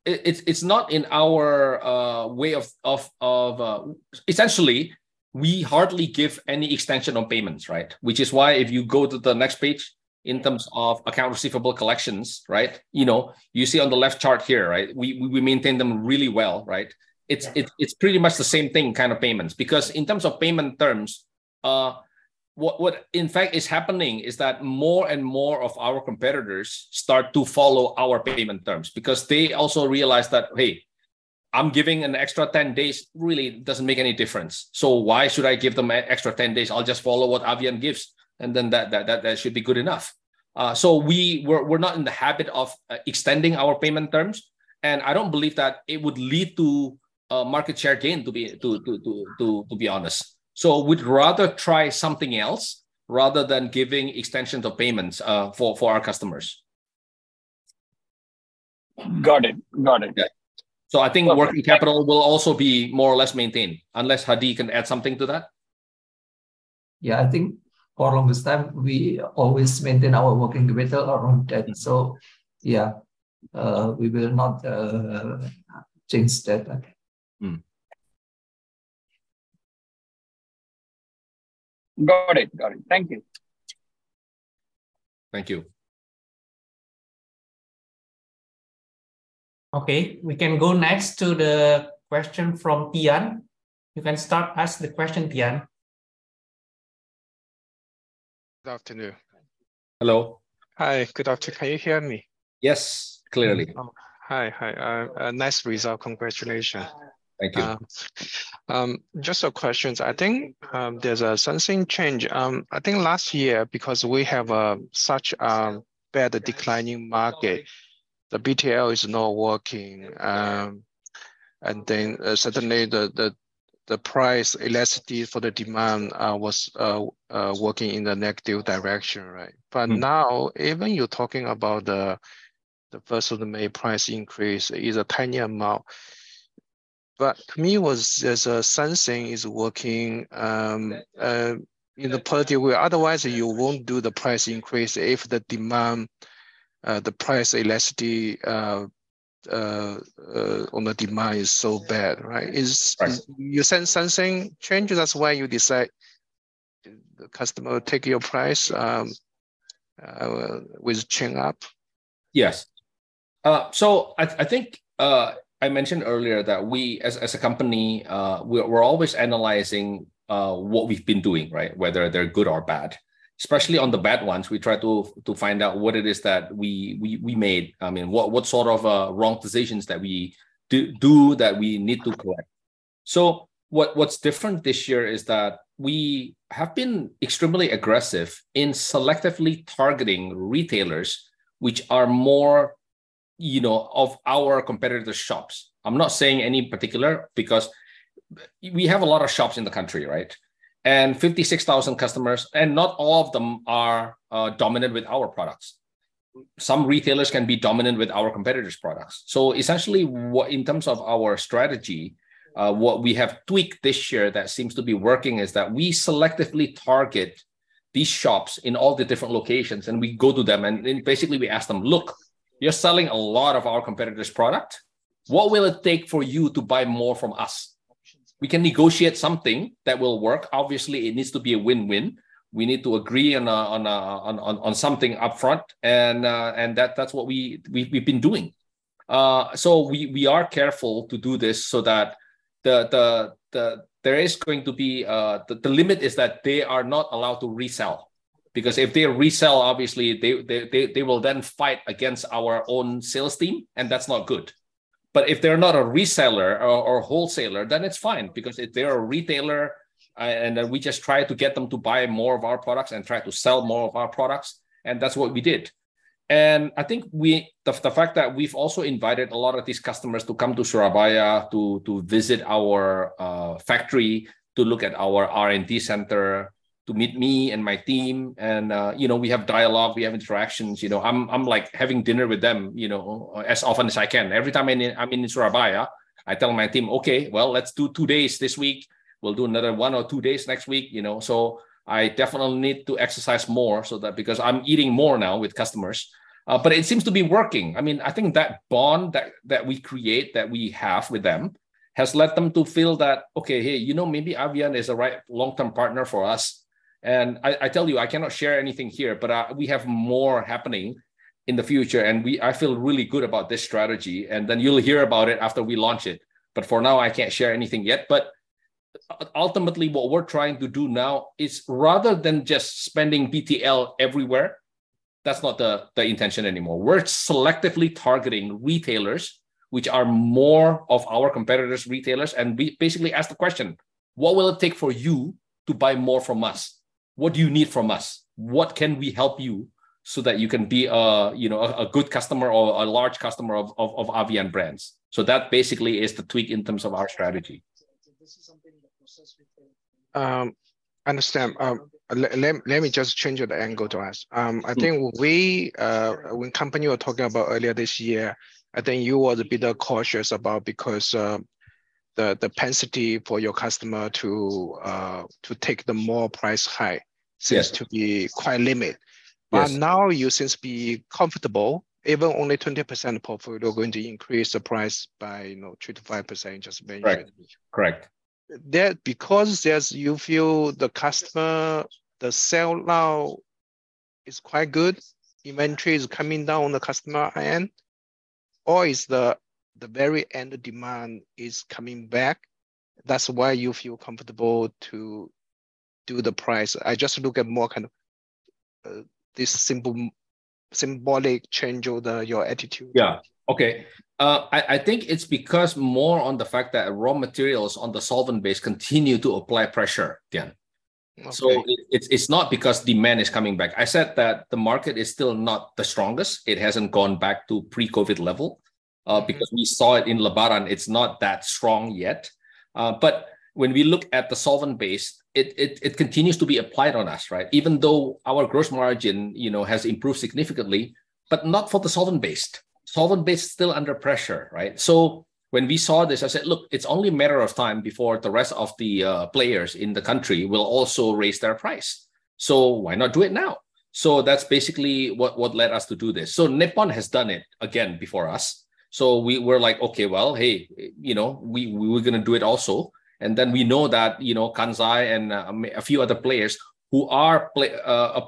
It's not in our way of... Essentially, we hardly give any extension on payments, right? Which is why if you go to the next page in terms of accounts receivable collections, right, you know, you see on the left chart here, right, we maintain them really well, right? Yeah. It's pretty much the same thing, kind of payments. Because in terms of payment terms, what in fact is happening is that more and more of our competitors start to follow our payment terms. Because they also realize that, "Hey, I'm giving an extra ten days really doesn't make any difference. So why should I give them an extra ten days? I'll just follow what Avian gives, and then that should be good enough." So we're not in the habit of extending our payment terms, and I don't believe that it would lead to a market share gain, to be honest. So we'd rather try something else rather than giving extensions of payments for our customers. Got it. Got it. Yeah. So I think- Okay... working capital will also be more or less maintained, unless Hadi can add something to that. Yeah, I think for the longest time, we always maintain our working capital around 10. So yeah, we will not change that. Mm-hmm. Got it. Got it. Thank you. Thank you. Okay, we can go next to the question from Tian. You can start ask the question, Tian. Good afternoon. Hello. Hi. Good afternoon. Can you hear me? Yes, clearly. Oh, hi. Hi, nice result. Congratulations. Thank you. Just some questions. I think there's some change. I think last year, because we have such a bad declining market, the BTL is not working. And then certainly the price elasticity for the demand was working in the negative direction, right? Mm-hmm. But now, even you're talking about the first of the main price increase is a tiny amount. But to me was, there's a something is working, in the positive way, otherwise you won't do the price increase if the demand, the price elasticity, on the demand is so bad, right? Right. Is you sense something changed, that's why you decide the customer take your price, with chin up? Yes. So I think I mentioned earlier that we, as a company, we're always analyzing what we've been doing, right? Whether they're good or bad. Especially on the bad ones, we try to find out what it is that we made. I mean, what sort of wrong decisions that we do that we need to correct. So what's different this year is that we have been extremely aggressive in selectively targeting retailers, which are more, you know, of our competitor shops. I'm not saying any particular, because we have a lot of shops in the country, right? And 56,000 customers, and not all of them are dominant with our products. Some retailers can be dominant with our competitors' products. So essentially, in terms of our strategy, what we have tweaked this year that seems to be working is that we selectively target these shops in all the different locations, and we go to them, and then basically we ask them, "Look, you're selling a lot of our competitor's product. What will it take for you to buy more from us? We can negotiate something that will work." Obviously, it needs to be a win-win. We need to agree on something upfront, and that’s what we’ve been doing. So we are careful to do this so that the limit is that they are not allowed to resell. Because if they resell, obviously, they will then fight against our own sales team, and that's not good. But if they're not a reseller or wholesaler, then it's fine, because if they're a retailer, and we just try to get them to buy more of our products and try to sell more of our products, and that's what we did. And I think we... The fact that we've also invited a lot of these customers to come to Surabaya to visit our factory, to look at our R&D center, to meet me and my team, and you know, we have dialogue, we have interactions. You know, I'm like having dinner with them, you know, as often as I can. Every time I'm in Surabaya, I tell my team, "Okay, well, let's do two days this week. We'll do another one or two days next week," you know? So I definitely need to exercise more so that—because I'm eating more now with customers. But it seems to be working. I mean, I think that bond that we create, that we have with them, has led them to feel that, "Okay, hey, you know, maybe Avian is the right long-term partner for us." And I tell you, I cannot share anything here, but we have more happening in the future, and we—I feel really good about this strategy. And then you'll hear about it after we launch it, but for now, I can't share anything yet. But ultimately, what we're trying to do now is, rather than just spending BTL everywhere, that's not the intention anymore. We're selectively targeting retailers, which are more of our competitors' retailers, and we basically ask the question: "What will it take for you to buy more from us? What do you need from us? What can we help you so that you can be a, you know, good customer or a large customer of Avian Brands?" So that basically is the tweak in terms of our strategy.... Understand. Let me just change the angle to ask. I think we, when company you were talking about earlier this year, I think you were a bit cautious about because the capacity for your customer to take the more price high- Yes Seems to be quite limited. Yes. Now you seem to be comfortable, even only 20% portfolio going to increase the price by, you know, 2%-5%, just maybe. Right. Correct. That's because there's you feel the customer, the sales now is quite good, inventory is coming down on the customer end, or is the very end demand is coming back, that's why you feel comfortable to do the price? I just look at more kind of this simple symbolic change of your attitude. Yeah. Okay. I think it's because more on the fact that raw materials on the solvent base continue to apply pressure again. Okay. So it's not because demand is coming back. I said that the market is still not the strongest. It hasn't gone back to pre-COVID level because we saw it in Lebaran. It's not that strong yet. But when we look at the solvent-based, it continues to be applied on us, right? Even though our gross margin, you know, has improved significantly, but not for the solvent-based. Solvent-based is still under pressure, right? So when we saw this, I said, "Look, it's only a matter of time before the rest of the players in the country will also raise their price. So why not do it now?" So that's basically what led us to do this. So Nippon has done it again before us. So we were like: Okay, well, hey, you know, we're going to do it also. And then we know that, you know, Kansai and a few other players who are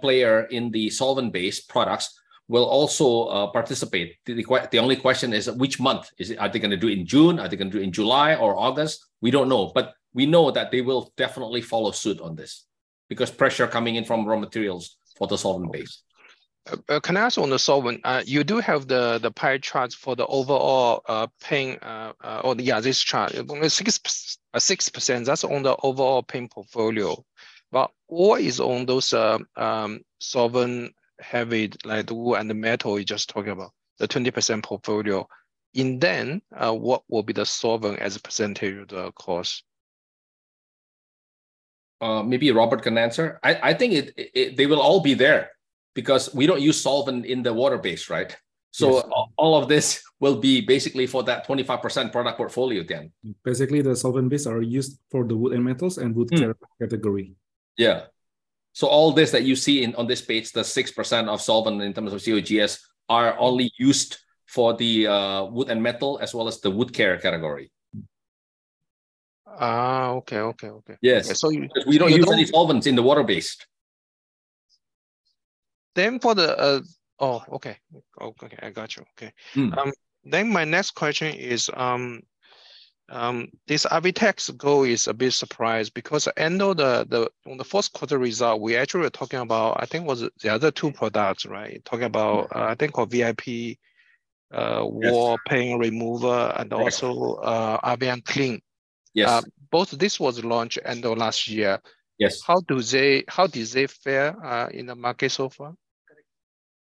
players in the solvent-based products will also participate. The only question is, which month is it? Are they going to do it in June? Are they going to do it in July or August? We don't know, but we know that they will definitely follow suit on this because pressure coming in from raw materials for the solvent base. Can I ask on the solvent? You do have the pie charts for the overall paint. Yeah, this chart. 6%, that's on the overall paint portfolio, but what is on those solvent-heavy, like the wood and the metal you just talked about, the 20% portfolio? And then, what will be the solvent as a % of the cost? Maybe Robert can answer. I think they will all be there because we don't use solvent in the water base, right? Yes. All of this will be basically for that 25% product portfolio then. Basically, the solvent-based are used for the wood and metals and- Mm -wood care category. Yeah. So all this that you see on this page, the 6% of solvent in terms of COGS, are only used for the wood and metal, as well as the wood care category. Ah, okay, okay, okay. Yes. So you- We don't use any solvents in the water-based. Then for the... Oh, okay. Okay, I got you. Okay. Mm. Then my next question is, this Avitex Gold is a big surprise because I know on the Q1 result, we actually were talking about, I think it was the other two products, right? Talking about, I think called VIP. Yes -Wall Paint Remover- Yes and also, Avian Clean. Yes. Both this was launched end of last year. Yes. How do they fare in the market so far?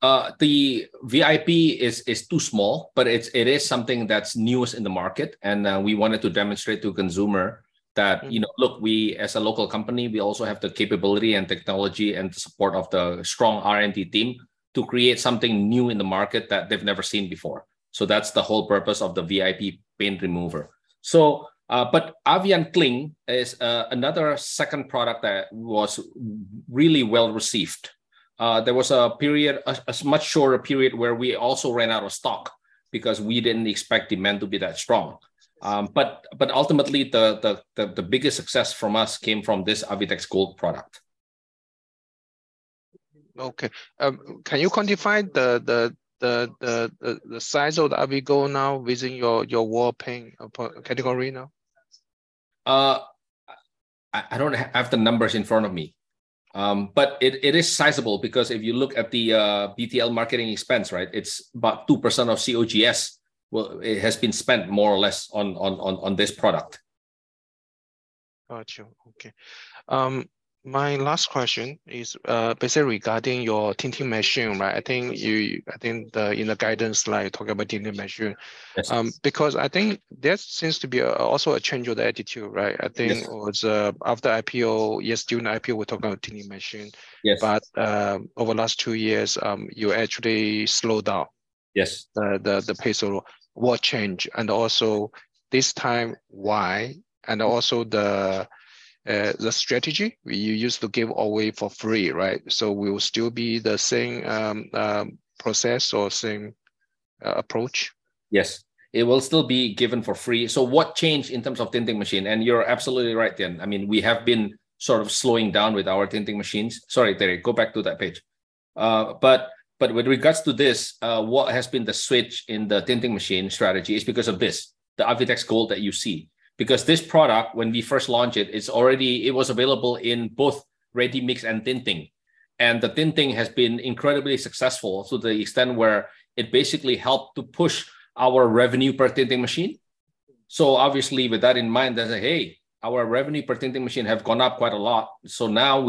The VIP is too small, but it's, it is something that's newest in the market. And, we wanted to demonstrate to consumer that- Mm You know, look, we, as a local company, we also have the capability and technology and support of the strong R&D team to create something new in the market that they've never seen before. So that's the whole purpose of the VIP Paint Remover. So, but Avian Clean is, another second product that was really well received. There was a period, a much shorter period, where we also ran out of stock because we didn't expect demand to be that strong. But ultimately, the biggest success from us came from this Avitex Gold product. Okay. Can you quantify the size of the Avitex Gold now within your wall paint category now? I don't have the numbers in front of me. But it is sizable because if you look at the BTL marketing expense, right, it's about 2% of COGS. Well, it has been spent more or less on this product. Got you. Okay. My last question is, basically regarding your tinting machine, right? I think in the guidance slide, you talk about tinting machine. Yes. Because I think there seems to be a, also a change of the attitude, right? Yes. I think it was after IPO, yes, during IPO, we talked about tinting machine. Yes. But, over the last two years, you actually slowed down. Yes, the pace of what changed, and also this time, why? And also the strategy. You used to give away for free, right? So will it still be the same process or same approach? Yes, it will still be given for free. So what changed in terms of tinting machine? And you're absolutely right, Tian. I mean, we have been sort of slowing down with our tinting machines. Sorry, Terry, go back to that page. But with regards to this, what has been the switch in the tinting machine strategy is because of this, the Avitex Gold that you see. Because this product, when we first launched it, it's already- it was available in both ready-mix and tinting. And the tinting has been incredibly successful to the extent where it basically helped to push our revenue per tinting machine. So obviously, with that in mind, I say, "Hey, our revenue per tinting machine have gone up quite a lot." So now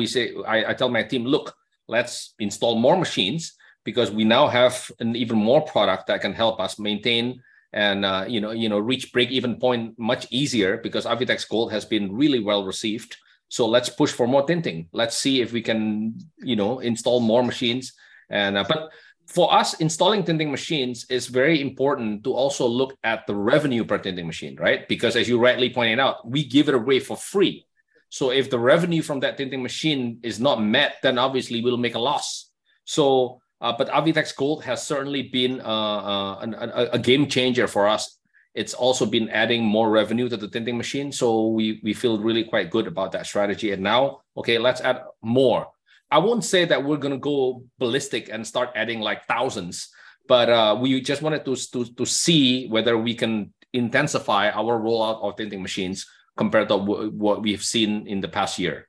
I tell my team, "Look, let's install more machines because we now have an even more product that can help us maintain and, you know, reach break-even point much easier, because Avitex Gold has been really well received. So let's push for more tinting. Let's see if we can, you know, install more machines." And, but for us, installing tinting machines is very important to also look at the revenue per tinting machine, right? Because as you rightly pointed out, we give it away for free. So if the revenue from that tinting machine is not met, then obviously we'll make a loss. So, but Avitex Gold has certainly been a game changer for us. It's also been adding more revenue to the tinting machine, so we feel really quite good about that strategy. And now, okay, let's add more. I won't say that we're gonna go ballistic and start adding, like, thousands, but we just wanted to see whether we can intensify our rollout of tinting machines compared to what we've seen in the past year.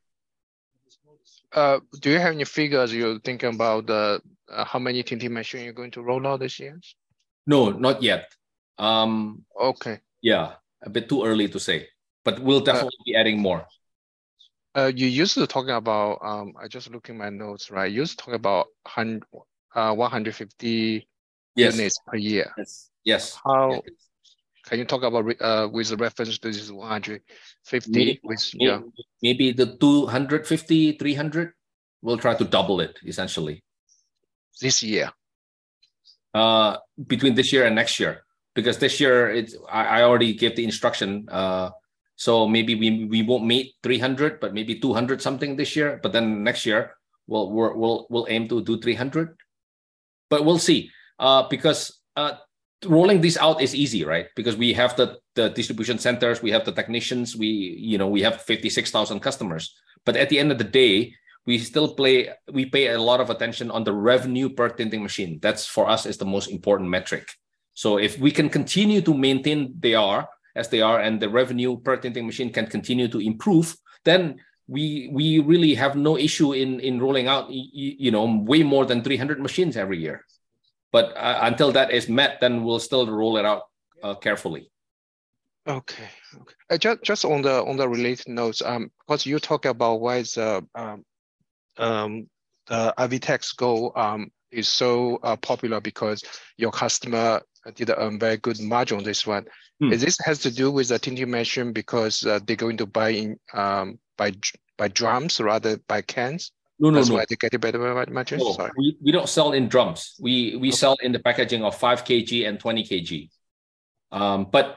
Do you have any figures you're thinking about how many Tinting Machine you're going to roll out this year? No, not yet. Okay. Yeah, a bit too early to say, but we'll definitely- Uh... be adding more. You used to talking about. I just looked in my notes, right? You used to talk about 150- Yes - units per year. Yes. Yes. How- Yes... Can you talk about, with the reference to this 150, which, yeah? Maybe the 250-300. We'll try to double it, essentially. This year? Between this year and next year, because this year it's, I already gave the instruction. So maybe we won't meet 300, but maybe 200 something this year. But then next year, we'll aim to do 300. But we'll see, because rolling this out is easy, right? Because we have the distribution centers, we have the technicians, you know, we have 56,000 customers. But at the end of the day, we still pay a lot of attention on the revenue per tinting machine. That, for us, is the most important metric. So if we can continue to maintain they are, as they are, and the revenue per tinting machine can continue to improve, then we really have no issue in rolling out, you know, way more than 300 machines every year. But until that is met, then we'll still roll it out carefully. Okay. Just on the related notes, 'cause you talk about why is the Avitex Gold is so popular because your customer did earn very good margin on this one. Mm. Is this has to do with the tinting machine because they're going to buy in, buy drums rather by cans? No, no, no. That's why they get a better, margins? Sorry. No, we don't sell in drums. We sell- Okay... in the packaging of 5 kg and 20 kg. But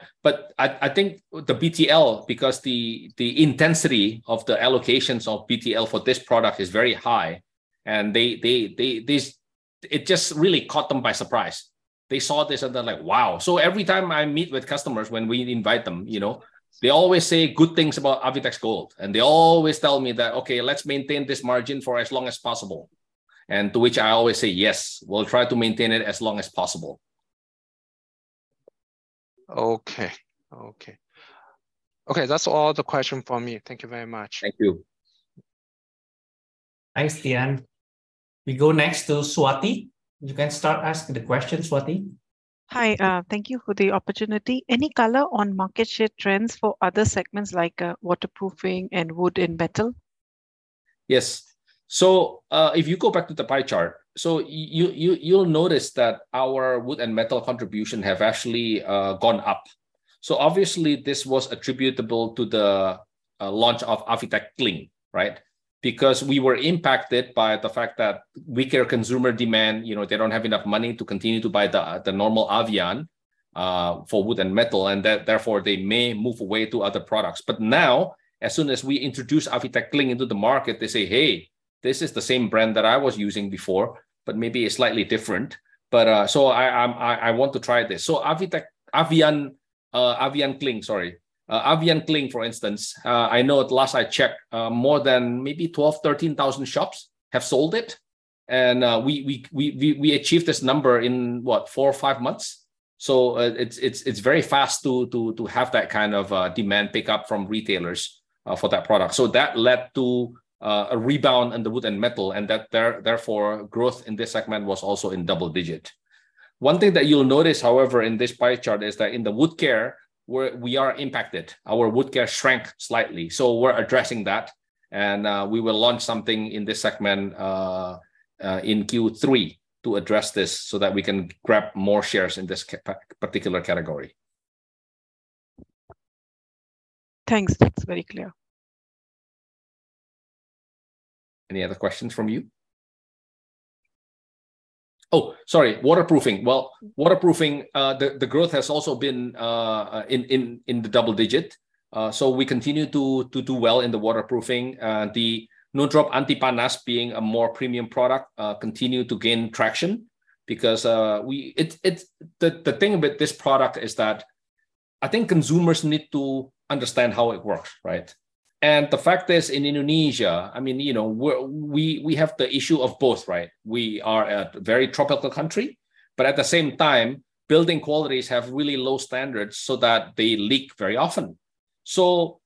I think the BTL, because the intensity of the allocations of BTL for this product is very high, and it just really caught them by surprise. They saw this, and they're like, "Wow!" So every time I meet with customers, when we invite them, you know, they always say good things about Avitex Gold, and they always tell me that, "Okay, let's maintain this margin for as long as possible." And to which I always say, "Yes, we'll try to maintain it as long as possible. Okay. Okay. Okay, that's all the question from me. Thank you very much. Thank you. Thanks, Tian. We go next to Swati. You can start asking the question, Swati. Hi, thank you for the opportunity. Any color on market share trends for other segments like, waterproofing and wood and metal? Yes. So, if you go back to the pie chart, you'll notice that our wood and metal contribution have actually gone up. So obviously, this was attributable to the launch of Avian Cling, right? Because we were impacted by the fact that weaker consumer demand, you know, they don't have enough money to continue to buy the normal Avian for wood and metal, and that therefore, they may move away to other products. But now, as soon as we introduce Avian Cling into the market, they say, "Hey, this is the same brand that I was using before, but maybe it's slightly different, but so I want to try this." So Avian Cling, sorry. Avian Cling, for instance, I know the last I checked, more than maybe 12-13 thousand shops have sold it. And we achieved this number in, what? 4 or 5 months. So it's very fast to have that kind of demand pick up from retailers for that product. So that led to a rebound in the wood and metal, and therefore growth in this segment was also in double-digit. One thing that you'll notice, however, in this pie chart is that in the wood care, we are impacted. Our wood care shrank slightly, so we're addressing that. And we will launch something in this segment in Q3 to address this so that we can grab more shares in this particular category. Thanks. That's very clear. ... Any other questions from you? Oh, sorry, waterproofing. Well, waterproofing, the growth has also been in the double digit. So we continue to do well in the waterproofing. The No Drop Anti Panas being a more premium product, continue to gain traction because, it's... The thing about this product is that I think consumers need to understand how it works, right? And the fact is, in Indonesia, I mean, you know, we have the issue of both, right? We are a very tropical country, but at the same time, building qualities have really low standards so that they leak very often. So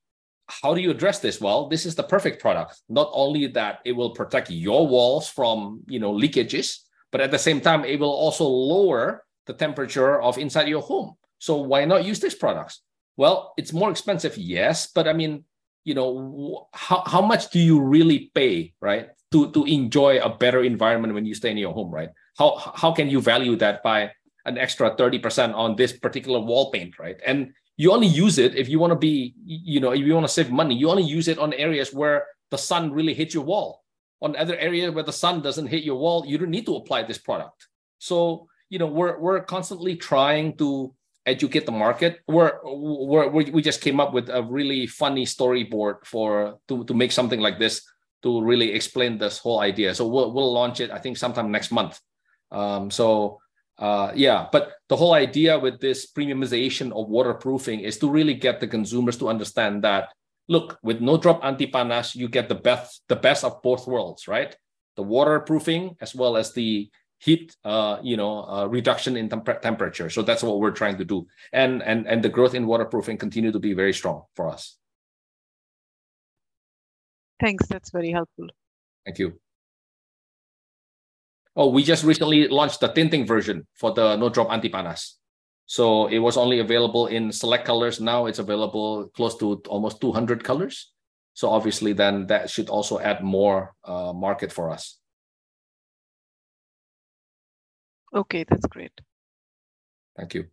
how do you address this? Well, this is the perfect product. Not only that it will protect your walls from, you know, leakages, but at the same time, it will also lower the temperature of inside your home. So why not use this product? Well, it's more expensive, yes, but I mean, you know, how much do you really pay, right, to enjoy a better environment when you stay in your home, right? How can you value that by an extra 30% on this particular wall paint, right? And you only use it if you wanna be... You know, if you wanna save money, you only use it on areas where the sun really hits your wall. On other area where the sun doesn't hit your wall, you don't need to apply this product. So, you know, we're constantly trying to educate the market. We just came up with a really funny storyboard to make something like this to really explain this whole idea. So we'll launch it, I think, sometime next month. So, yeah. But the whole idea with this premiumization of waterproofing is to really get the consumers to understand that, look, with No Drop Anti Panas, you get the best, the best of both worlds, right? The waterproofing as well as the heat, you know, reduction in temperature. So that's what we're trying to do. And the growth in waterproofing continue to be very strong for us. Thanks, that's very helpful. Thank you. Oh, we just recently launched the tinting version for the No Drop Anti Panas. So it was only available in select colors. Now it's available close to almost 200 colors. So obviously, then that should also add more market for us. Okay, that's great. Thank you.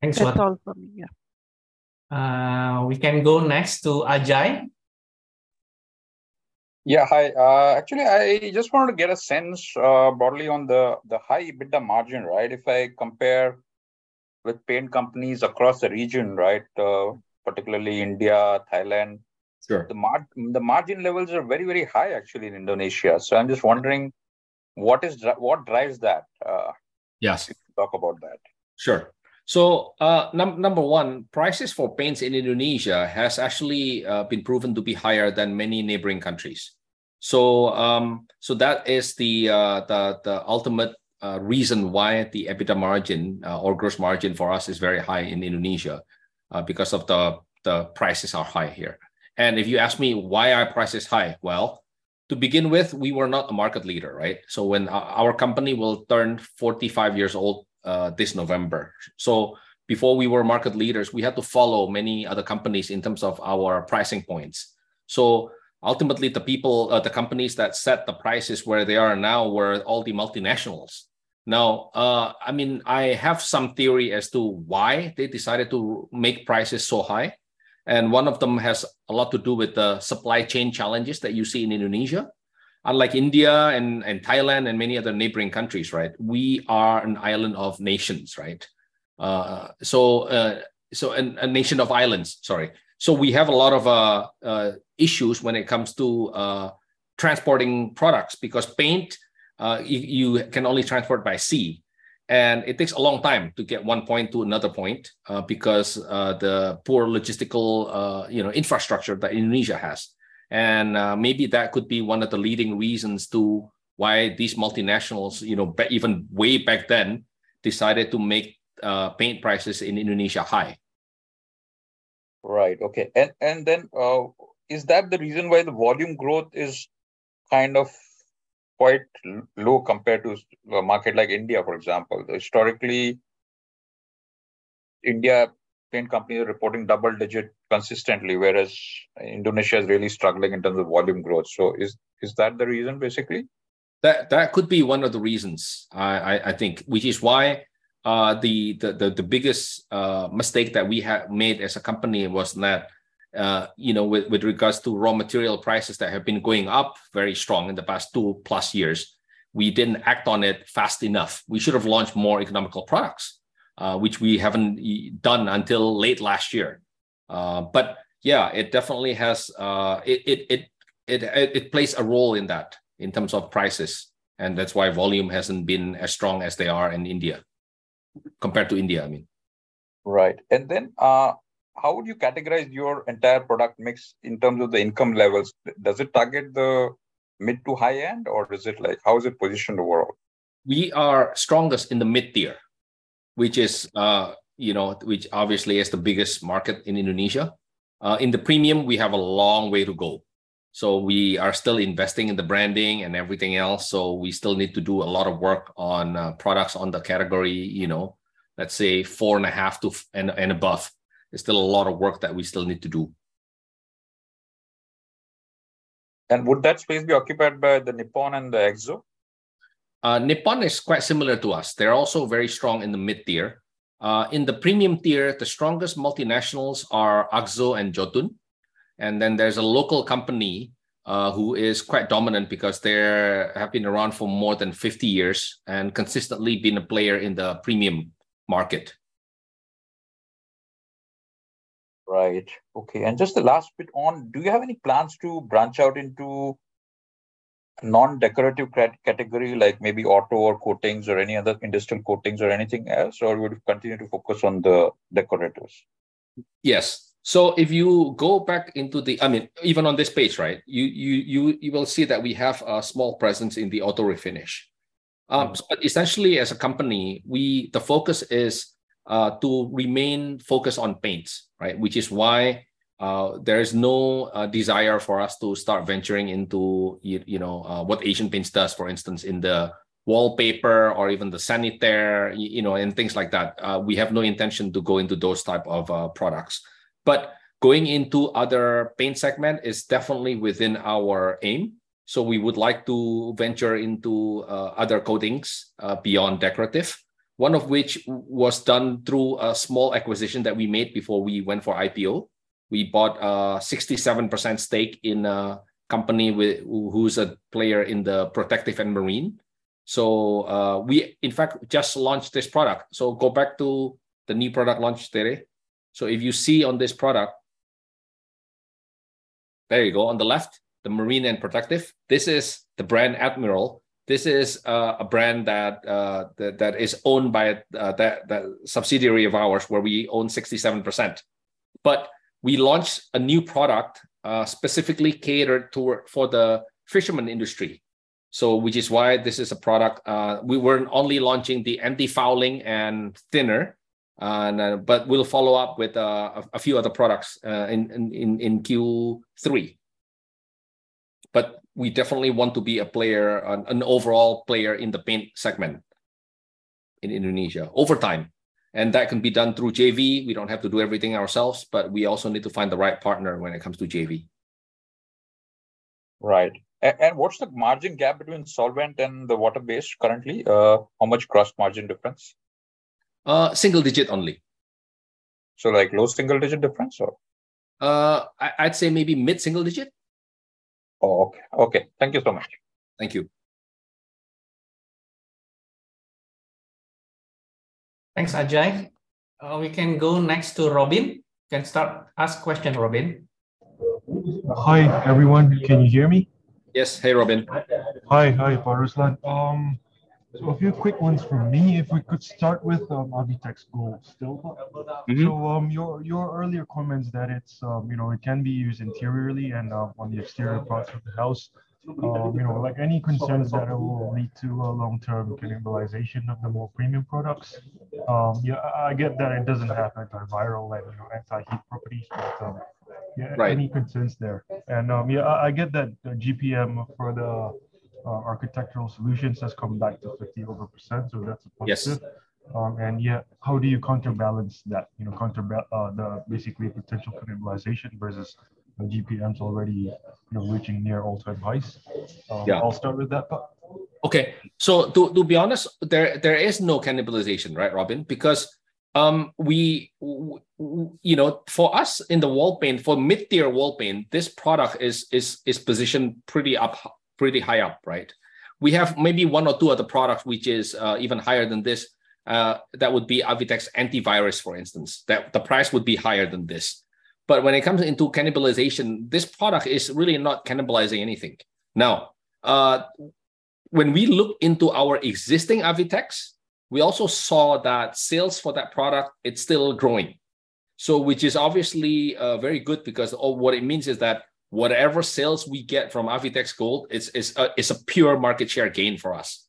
Thanks a lot. That's all from me, yeah. We can go next to Ajay. Yeah, hi. Actually, I just wanted to get a sense, broadly on the high EBITDA margin, right? If I compare with paint companies across the region, right, particularly India, Thailand- Sure... the margin levels are very, very high actually in Indonesia. So I'm just wondering, what drives that? Yes - if you could talk about that. Sure. So, number one, prices for paints in Indonesia has actually been proven to be higher than many neighboring countries. So, that is the ultimate reason why the EBITDA margin or gross margin for us is very high in Indonesia, because the prices are high here. And if you ask me, why are prices high? Well, to begin with, we were not the market leader, right? So when our company will turn 45 years old this November. So before we were market leaders, we had to follow many other companies in terms of our pricing points. So ultimately, the people, the companies that set the prices where they are now were all the multinationals. Now, I mean, I have some theory as to why they decided to make prices so high, and one of them has a lot to do with the supply chain challenges that you see in Indonesia. Unlike India and Thailand, and many other neighboring countries, right, we are an island of nations, right? So, and a nation of islands, sorry. So we have a lot of issues when it comes to transporting products, because paint, you can only transport by sea. And it takes a long time to get one point to another point, because the poor logistical, you know, infrastructure that Indonesia has. And, maybe that could be one of the leading reasons to why these multinationals, you know, back, even way back then, decided to make paint prices in Indonesia high. Right. Okay. And then, is that the reason why the volume growth is kind of quite low compared to a market like India, for example? Historically, India paint companies are reporting double digit consistently, whereas Indonesia is really struggling in terms of volume growth. So is that the reason, basically? That could be one of the reasons, I think, which is why the biggest mistake that we have made as a company was that, you know, with regards to raw material prices that have been going up very strong in the past 2+ years, we didn't act on it fast enough. We should have launched more economical products, which we haven't done until late last year. But yeah, it definitely has. It plays a role in that in terms of prices, and that's why volume hasn't been as strong as they are in India, compared to India, I mean. Right. And then, how would you categorize your entire product mix in terms of the income levels? Does it target the mid to high end, or is it like... How is it positioned overall? We are strongest in the mid-tier, which is, you know, which obviously is the biggest market in Indonesia. In the premium, we have a long way to go. So we are still investing in the branding and everything else, so we still need to do a lot of work on, products on the category, you know, let's say 4.5 to, and, and above. There's still a lot of work that we still need to do.... and would that space be occupied by the Nippon and the Akzo? Nippon is quite similar to us. They're also very strong in the mid-tier. In the premium tier, the strongest multinationals are Akzo and Jotun, and then there's a local company who is quite dominant because they've been around for more than 50 years and consistently been a player in the premium market. Right. Okay, and just the last bit on, do you have any plans to branch out into non-decorative category, like maybe auto or coatings or any other industrial coatings or anything else, or you would continue to focus on the decorators? Yes. So if you go back into the... I mean, even on this page, right, you will see that we have a small presence in the auto refinish. Mm. But essentially as a company, we the focus is to remain focused on paints, right? Which is why there is no desire for us to start venturing into you know what Asian Paints does, for instance, in the wallpaper or even the sanitary, you know, and things like that. We have no intention to go into those type of products. But going into other paint segment is definitely within our aim, so we would like to venture into other coatings beyond decorative. One of which was done through a small acquisition that we made before we went for IPO. We bought a 67% stake in a company who is a player in the protective and marine. So we, in fact, just launched this product. So go back to the new product launch today. So if you see on this product, there you go. On the left, the marine and protective. This is the brand Admiral. This is a brand that is owned by the subsidiary of ours, where we own 67%. But we launched a new product, specifically catered for the fisherman industry. So which is why this is a product. We weren't only launching the antifouling and thinner, but we'll follow up with a few other products in Q3. But we definitely want to be a player, an overall player in the paint segment in Indonesia over time, and that can be done through JV. We don't have to do everything ourselves, but we also need to find the right partner when it comes to JV. Right. And, and what's the margin gap between solvent and the water-based currently? How much gross margin difference? Single digit only. Like, low single-digit difference, or? I'd say maybe mid single digit. Oh, okay. Okay, thank you so much. Thank you. Thanks, Ajay. We can go next to Robin. You can start. Ask question, Robin. Hi, everyone. Can you hear me? Yes. Hey, Robin. Hi. Hi, Pak Ruslan. So a few quick ones from me, if we could start with Avitex Gold still. Mm-hmm. So, your earlier comments that it's, you know, it can be used interiorly and, on the exterior parts of the house. You know, like any concerns that it will lead to a long-term cannibalization of the more premium products? Yeah, I get that it doesn't have antiviral and, you know, anti-heat properties, but, Right... any concerns there? Yeah, I, I get that the GPM for the architectural solutions has come back to 50%+, so that's a positive. Yes. And yet, how do you counterbalance that, you know, the basically potential cannibalization versus the GPMs already, you know, reaching near all-time highs? Yeah. I'll start with that part. Okay. So to be honest, there is no cannibalization, right, Robin? Because we you know, for us in the wall paint, for mid-tier wall paint, this product is positioned pretty up, pretty high up, right? We have maybe one or two other products, which is even higher than this. That would be Avitex Anti Viruz, for instance, that the price would be higher than this. But when it comes into cannibalization, this product is really not cannibalizing anything. Now, when we look into our existing Avitex, we also saw that sales for that product, it's still growing. So which is obviously very good because what it means is that whatever sales we get from Avitex Gold, it's a pure market share gain for us.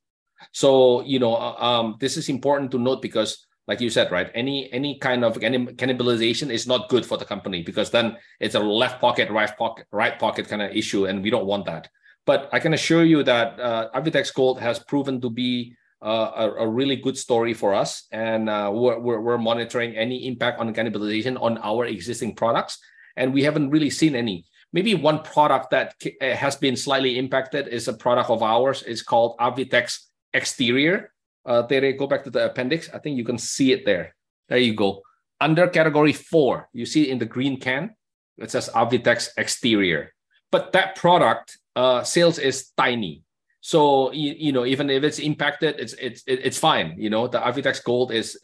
So, you know, this is important to note because like you said, right, any kind of cannibalization is not good for the company, because then it's a left pocket, right pocket, right pocket kind of issue, and we don't want that. But I can assure you that Avitex Gold has proven to be a really good story for us, and we're monitoring any impact on cannibalization on our existing products, and we haven't really seen any. Maybe one product that has been slightly impacted is a product of ours, it's called Avitex Exterior. Tere, go back to the appendix. I think you can see it there. There you go. Under category four, you see it in the green can? It says Avitex Exterior. But that product sales is tiny. So you know, even if it's impacted, it's fine. You know, the Avitex Gold is,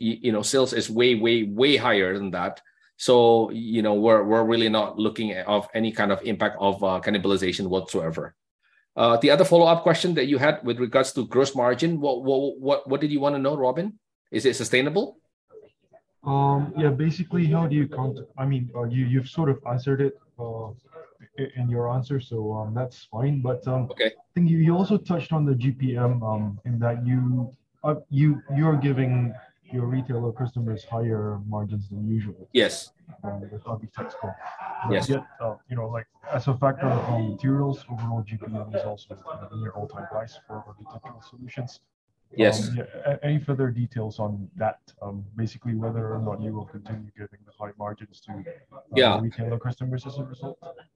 you know, sales is way higher than that. So, you know, we're really not looking of any kind of impact of cannibalization whatsoever. The other follow-up question that you had with regards to gross margin, what did you want to know, Robin? Is it sustainable? Yeah, basically, how do you count... I mean, you've sort of answered it in your answer, so that's fine. But, Okay... I think you also touched on the GPM, in that you're giving your retailer customers higher margins than usual. Yes. With Avitex Gold. Yes. You know, like, as a factor of the materials, overall GPM is also near all-time highs for architectural solutions. Yes. Any further details on that, basically whether or not you will continue giving the high margins to- Yeah The retail customer results?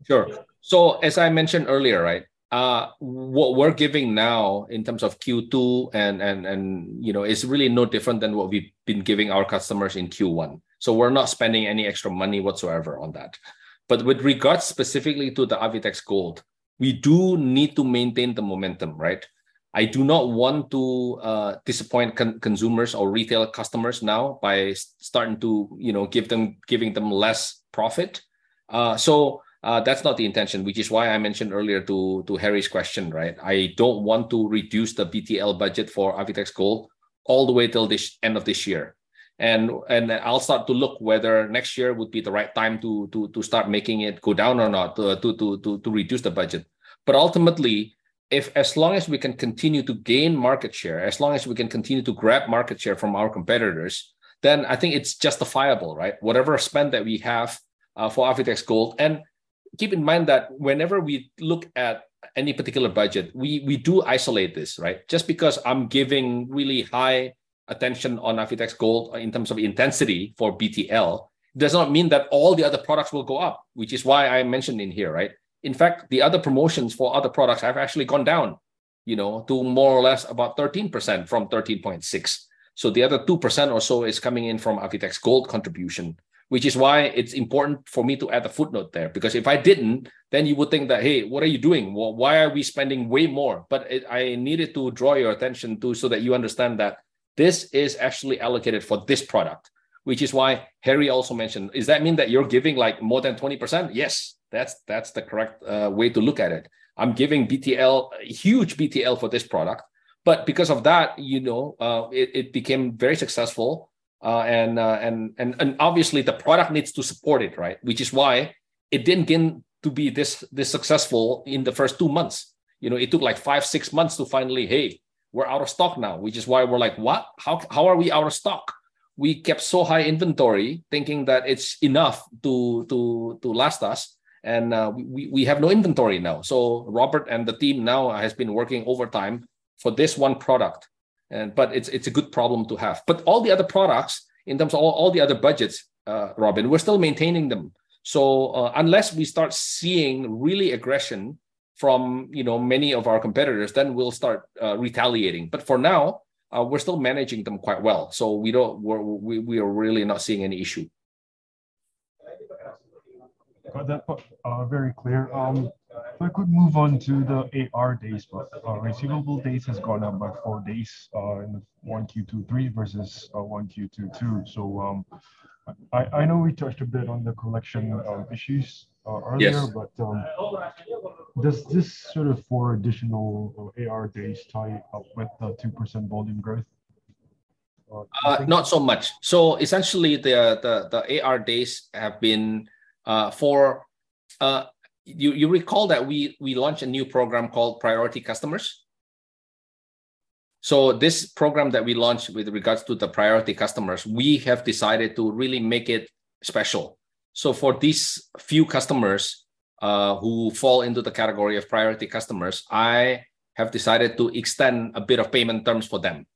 Sure. So as I mentioned earlier, right, what we're giving now in terms of Q2, and you know, it's really no different than what we've been giving our customers in Q1. So we're not spending any extra money whatsoever on that. But with regards specifically to the Avitex Gold, we do need to maintain the momentum, right? I do not want to disappoint consumers or retail customers now by starting to, you know, give them less profit. So, that's not the intention, which is why I mentioned earlier to Harry's question, right? I don't want to reduce the BTL budget for Avitex Gold all the way till this end of this year. I'll start to look whether next year would be the right time to start making it go down or not, to reduce the budget. But ultimately, if as long as we can continue to gain market share, as long as we can continue to grab market share from our competitors, then I think it's justifiable, right? Whatever spend that we have for Avitex Gold. Keep in mind that whenever we look at any particular budget, we do isolate this, right? Just because I'm giving really high attention on Avitex Gold in terms of intensity for BTL, does not mean that all the other products will go up, which is why I mentioned in here, right? In fact, the other promotions for other products have actually gone down, you know, to more or less about 13% from 13.6%. So the other 2% or so is coming in from Avitex Gold contribution, which is why it's important for me to add a footnote there. Because if I didn't, then you would think that, "Hey, what are you doing? Well, why are we spending way more?" But I needed to draw your attention to, so that you understand that this is actually allocated for this product. Which is why Harry also mentioned, "Does that mean that you're giving, like, more than 20%?" Yes, that's the correct way to look at it. I'm giving BTL, huge BTL for this product, but because of that, you know, it became very successful. And obviously, the product needs to support it, right? Which is why it didn't begin to be this successful in the first two months. You know, it took, like, 5-6 months to finally, "Hey, we're out of stock now." Which is why we're like, "What? How are we out of stock?" We kept so high inventory thinking that it's enough to last us, and we have no inventory now. So Robert and the team now has been working overtime for this one product, and but it's a good problem to have. But all the other products, in terms of all the other budgets, Robin, we're still maintaining them. So unless we start seeing really aggression from, you know, many of our competitors, then we'll start retaliating. But for now, we're still managing them quite well. So we don't, we're, we are really not seeing any issue. Got that, Pak. Very clear. If I could move on to the AR days, Pak. Receivable days has gone up by 4 days in 1Q23 versus 1Q22. So, I know we touched a bit on the collection of issues. Yes... earlier, but, does this sort of 4 additional AR days tie up with the 2% volume growth, think? Not so much. So essentially, the AR days have been for... You recall that we launched a new program called Priority Customers? So this program that we launched with regards to the priority customers, we have decided to really make it special. So for these few customers who fall into the category of priority customers, I have decided to extend a bit of payment terms for them.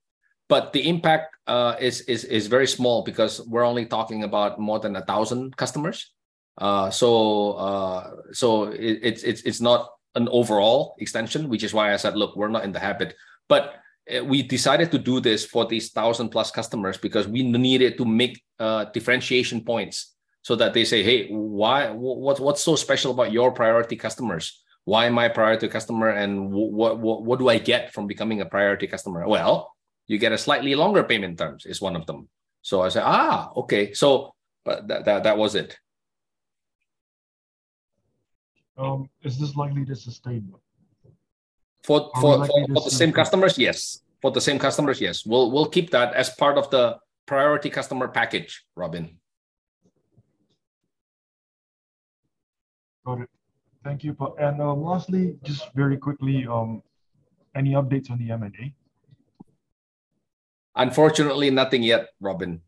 But the impact is very small because we're only talking about more than 1,000 customers. So it is not an overall extension, which is why I said, "Look, we're not in the habit." But we decided to do this for these 1,000+ customers because we needed to make differentiation points so that they say, "Hey, why, what is so special about your priority customers? Why am I a priority customer, and what do I get from becoming a priority customer?" "Well, you get a slightly longer payment terms," is one of them. So I say, "Ah, okay." So that was it. Is this likely to sustain, Pak? For, for- Are they-... for the same customers? Yes. For the same customers, yes. We'll, we'll keep that as part of the priority customer package, Robin. Got it. Thank you, Pak. Lastly, just very quickly, any updates on the M&A? Unfortunately, nothing yet, Robin.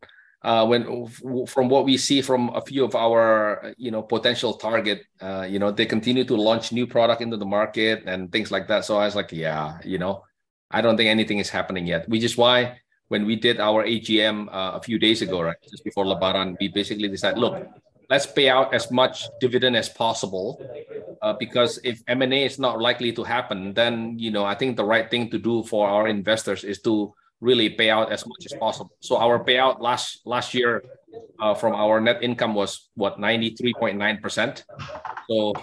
When, from what we see from a few of our, you know, potential target, you know, they continue to launch new product into the market and things like that. So I was like, "Yeah, you know, I don't think anything is happening yet." Which is why when we did our AGM, a few days ago, right, just before Lebaran, we basically decided, "Look, let's pay out as much dividend as possible," because if M&A is not likely to happen, then, you know, I think the right thing to do for our investors is to really pay out as much as possible. So our payout last year, from our net income was, what? 93.9%. So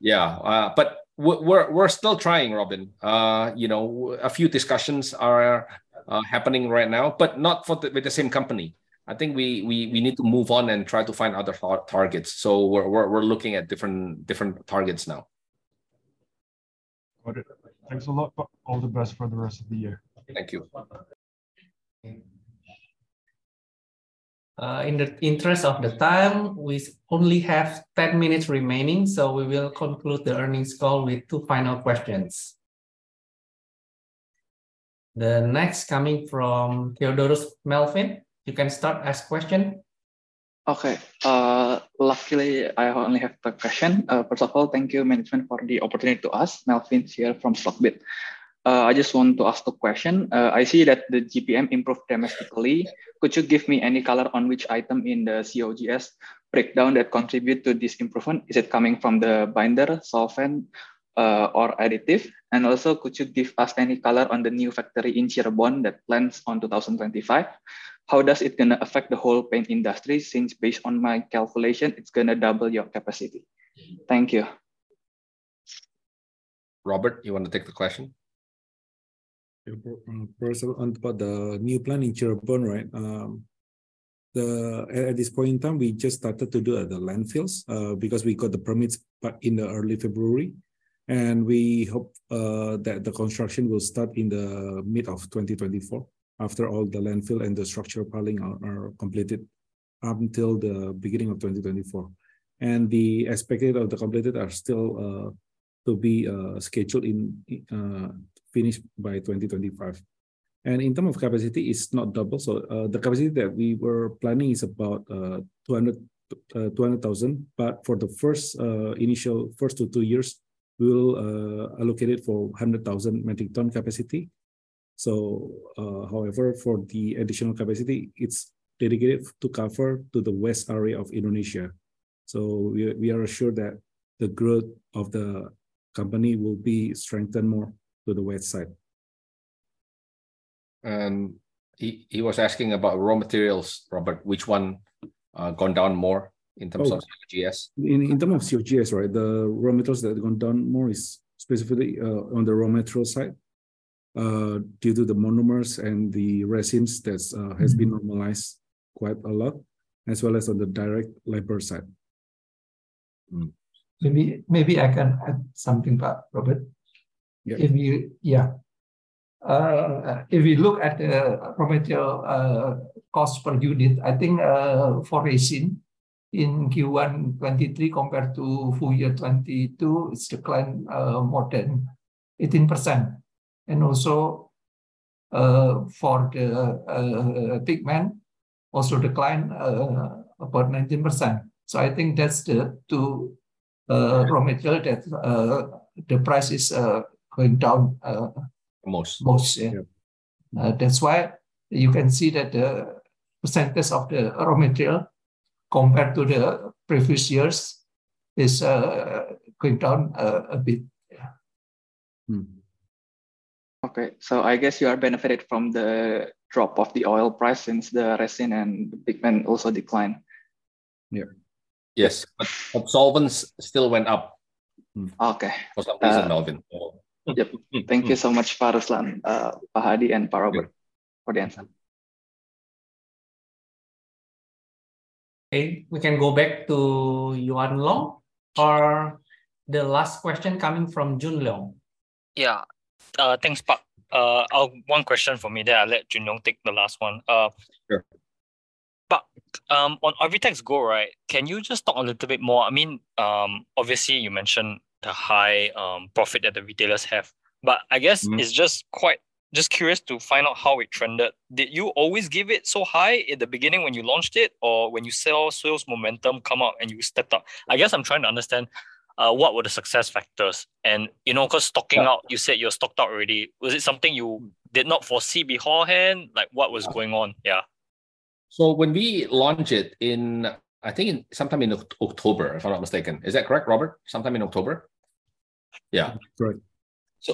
yeah. But we're still trying, Robin. You know, a few discussions are happening right now, but not with the same company. I think we need to move on and try to find other targets. So we're looking at different targets now. Got it. Thanks a lot, Pak. All the best for the rest of the year. Thank you. In the interest of the time, we only have 10 minutes remaining, so we will conclude the earnings call with two final questions. The next coming from Theodorus Melvin. You can start ask question.... Okay, luckily, I only have one question. First of all, thank you, management, for the opportunity to ask. Melvin here from Stockbit. I just want to ask the question, I see that the GPM improved domestically. Could you give me any color on which item in the COGS breakdown that contribute to this improvement? Is it coming from the binder, solvent, or additive? And also, could you give us any color on the new factory in Cirebon that plans on 2025? How does it gonna affect the whole paint industry, since based on my calculation, it's gonna double your capacity? Thank you. Robert, you wanna take the question? Yeah, first of all, about the new plant in Cirebon, right? At this point in time, we just started to do the landfills because we got the permits back in early February. And we hope that the construction will start in the mid of 2024, after all the landfill and the structural piling are completed up until the beginning of 2024. And the expected of the completed are still to be scheduled in finished by 2025. And in terms of capacity, it's not double. So, the capacity that we were planning is about 200,000. But for the first initial first two years, we'll allocate it for 100,000 metric ton capacity. However, for the additional capacity, it's dedicated to cover the west area of Indonesia. So we are assured that the growth of the company will be strengthened more to the west side. And he was asking about raw materials, Robert, which one gone down more in terms of- Oh... COGS? In terms of COGS, right, the raw materials that gone down more is specifically on the raw material side due to the monomers and the resins that's has been normalized quite a lot, as well as on the direct labor side. Mm. Maybe, maybe I can add something, Pak Robert. Yeah. If you... Yeah. If you look at the raw material cost per unit, I think, for resin in Q1 2023 compared to full year 2022, it's declined more than 18%. And also, for the pigment, also declined about 19%. So I think that's the two raw material that the price is going down- Most... Most, yeah. Yeah. That's why you can see that the percentage of the raw material compared to the previous years is going down a bit. Yeah. Mm. Okay. I guess you are benefited from the drop of the oil price, since the resin and the pigment also declined. Yeah. Yes, but solvents still went up. Okay.... So, Melvin. Yep. Thank you so much, Pak Ruslan, Pak Hadi, and Pak Robert- Yeah... for the answer. Okay, we can go back to Yuan Loh, or the last question coming from Yuan Loh. Yeah. Thanks, Pak. I'll... One question from me, then I'll let Yuan Loh take the last one. Sure. Pak, on Avitex Gold, right, can you just talk a little bit more? I mean, obviously, you mentioned the high profit that the retailers have, but I guess- Mm... it's just quite, just curious to find out how it trended. Did you always give it so high in the beginning when you launched it, or when you saw sales momentum come up, and you stepped up? I guess I'm trying to understand what were the success factors? And, you know, 'cause stocking out, you said you were stocked out already. Was it something you did not foresee beforehand? Like, what was going on? Yeah. So when we launched it, I think sometime in October, if I'm not mistaken. Is that correct, Robert, sometime in October? Yeah. Correct.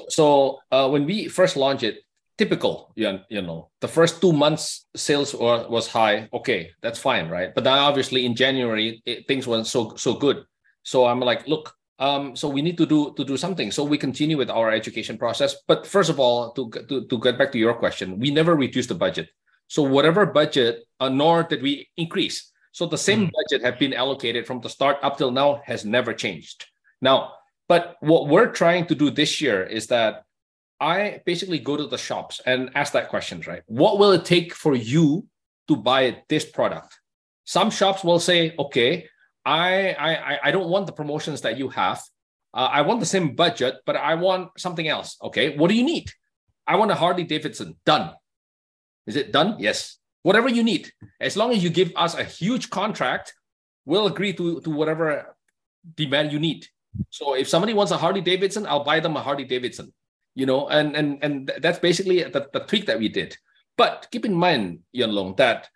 So, when we first launched it, typical, Yuan, you know, the first two months, sales were high. Okay, that's fine, right? But then obviously, in January, things weren't so good. So I'm like, "Look, so we need to do something." So we continue with our education process. But first of all, to get back to your question, we never reduced the budget. So whatever budget, nor did we increase. So the same- Mm... budget had been allocated from the start up till now has never changed. Now, but what we're trying to do this year is that I basically go to the shops and ask that question, right? "What will it take for you to buy this product?" Some shops will say, "Okay, I don't want the promotions that you have. I want the same budget, but I want something else." "Okay, what do you need?" "I want a Harley-Davidson." "Done. Is it done?" "Yes." Whatever you need, as long as you give us a huge contract, we'll agree to whatever demand you need. So if somebody wants a Harley-Davidson, I'll buy them a Harley-Davidson, you know? And that's basically the trick that we did. But keep in mind, Yuan Long, that,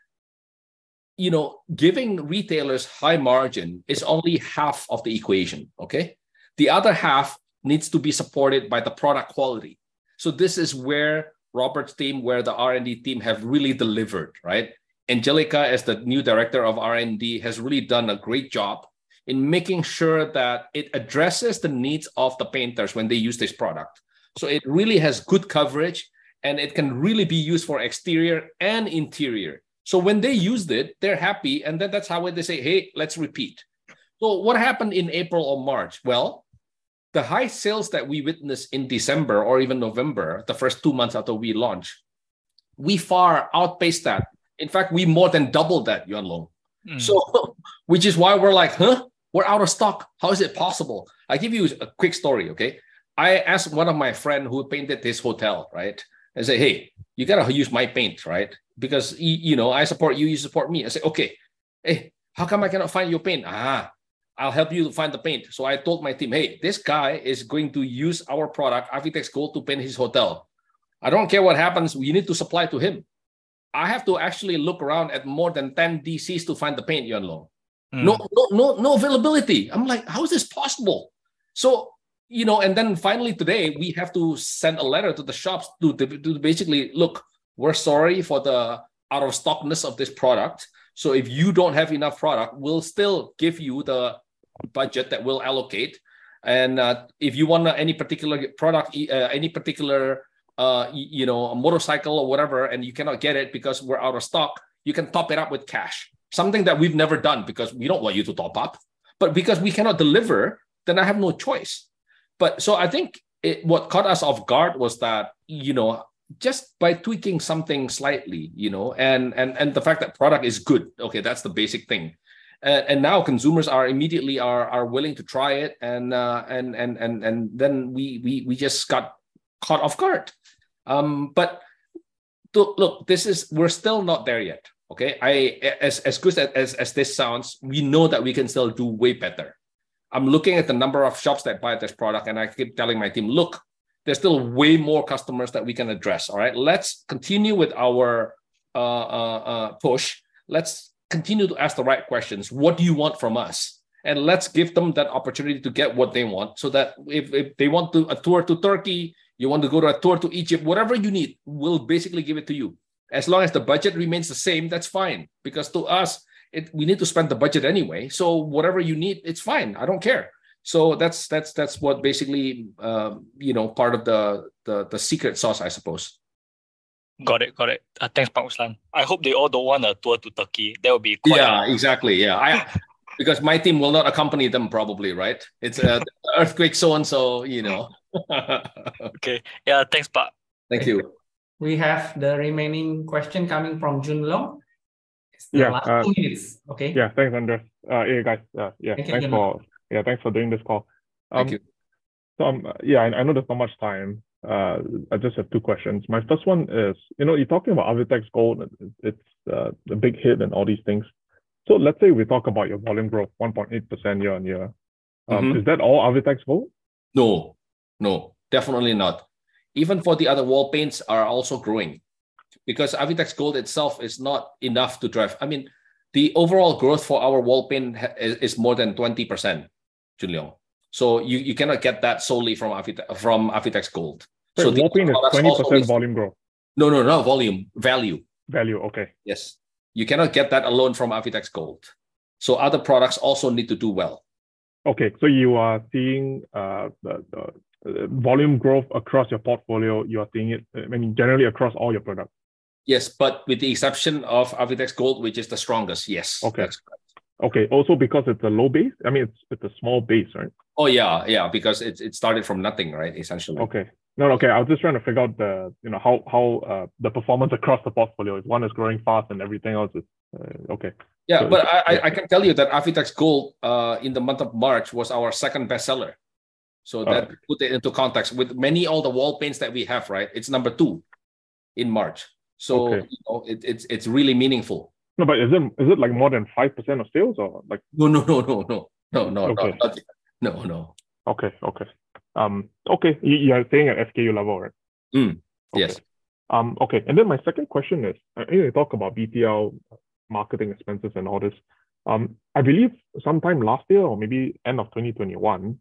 you know, giving retailers high margin is only half of the equation, okay? The other half needs to be supported by the product quality. So this is where Robert's team, where the R&D team have really delivered, right? Angelica, as the new director of R&D, has really done a great job in making sure that it addresses the needs of the painters when they use this product. So it really has good coverage, and it can really be used for exterior and interior. So when they used it, they're happy, and then that's how when they say, "Hey, let's repeat." So what happened in April or March? Well, the high sales that we witnessed in December or even November, the first two months after we launched, we far outpaced that. In fact, we more than doubled that, Yuan Loh. Mm.... which is why we're like, "Huh? We're out of stock. How is it possible?" I give you a quick story, okay? I asked one of my friend who painted this hotel, right? I say, "Hey, you gotta use my paint, right? Because you know, I support you, you support me." He say, "Okay. Hey, how come I cannot find your paint?" "Ah, I'll help you find the paint." So I told my team, "Hey, this guy is going to use our product, Avitex Gold, to paint his hotel. I don't care what happens, we need to supply to him." I have to actually look around at more than 10 DCs to find the paint, Yuan Loh. Mm. No, no, no. No availability. I'm like, "How is this possible?" So, you know, and then finally today, we have to send a letter to the shops to basically, "Look, we're sorry for the out-of-stockness of this product. So if you don't have enough product, we'll still give you the budget that we'll allocate. And, if you want any particular product, any particular, you know, motorcycle or whatever, and you cannot get it because we're out of stock, you can top it up with cash," something that we've never done, because we don't want you to top up. But because we cannot deliver, then I have no choice. But so I think what caught us off guard was that, you know, just by tweaking something slightly, you know, and, and, and the fact that product is good, okay, that's the basic thing. And now consumers are immediately willing to try it, and then we just got caught off guard. But look, this is... We're still not there yet, okay? I, as good as this sounds, we know that we can still do way better. I'm looking at the number of shops that buy this product, and I keep telling my team, "Look, there's still way more customers that we can address, all right? Let's continue with our push. Let's continue to ask the right questions. What do you want from us? And let's give them that opportunity to get what they want, so that if they want to a tour to Turkey, you want to go to a tour to Egypt, whatever you need, we'll basically give it to you. As long as the budget remains the same, that's fine, because to us, we need to spend the budget anyway. So whatever you need, it's fine, I don't care. So that's what basically, you know, part of the secret sauce, I suppose. Got it. Got it. Thanks, Pak Ruslan. I hope they all don't want a tour to Turkey. That would be quite- Yeah, exactly. Yeah, because my team will not accompany them probably, right? Yeah. It's earthquake, so and so, you know. Okay. Yeah, thanks, Pak. Thank you. We have the remaining question coming from Yuan Loh. Yeah, uh- The last 2 minutes, okay? Yeah. Thanks, Andreas. Hey, guys, yeah- Thank you, Yuan Loh.... thanks for, yeah, thanks for doing this call. Thank you. Yeah, I know there's not much time. I just have two questions. My first one is, you know, you're talking about Avitex Gold, it's the big hit and all these things. So let's say we talk about your volume growth, 1.8% year-on-year. Mm-hmm. Is that all Avitex Gold? No, no, definitely not. Even for the other wall paints are also growing, because Avitex Gold itself is not enough to drive... I mean, the overall growth for our wall paint is more than 20%, Yuan Loh. So you cannot get that solely from Avitex Gold. So the other products also- Wait, wall paint is 20% volume growth? No, no, not volume, value. Value, okay. Yes. You cannot get that alone from Avitex Gold, so other products also need to do well. Okay, so you are seeing the volume growth across your portfolio, you are seeing it, I mean, generally across all your products? Yes, but with the exception of Avitex Gold, which is the strongest, yes. Okay. That's correct. Okay, also because it's a low base? I mean, it's a small base, right? Oh, yeah, yeah, because it started from nothing, right? Essentially. Okay. No, okay, I was just trying to figure out the, you know, how the performance across the portfolio, if one is growing fast and everything else is... okay. Yeah, but I can tell you that Avitex Gold, in the month of March, was our second-best seller. Okay. So that put it into context. With many, all the wall paints that we have, right, it's number two in March. Okay. You know, it's really meaningful. No, but is it like more than 5% of sales or like- No, no, no, no, no. No, no, no. Okay. No, no. Okay, you are saying at SKU level, right? Mm, yes. Okay. Okay, and then my second question is, I hear you talk about BTL marketing expenses and all this. I believe sometime last year or maybe end of 2021,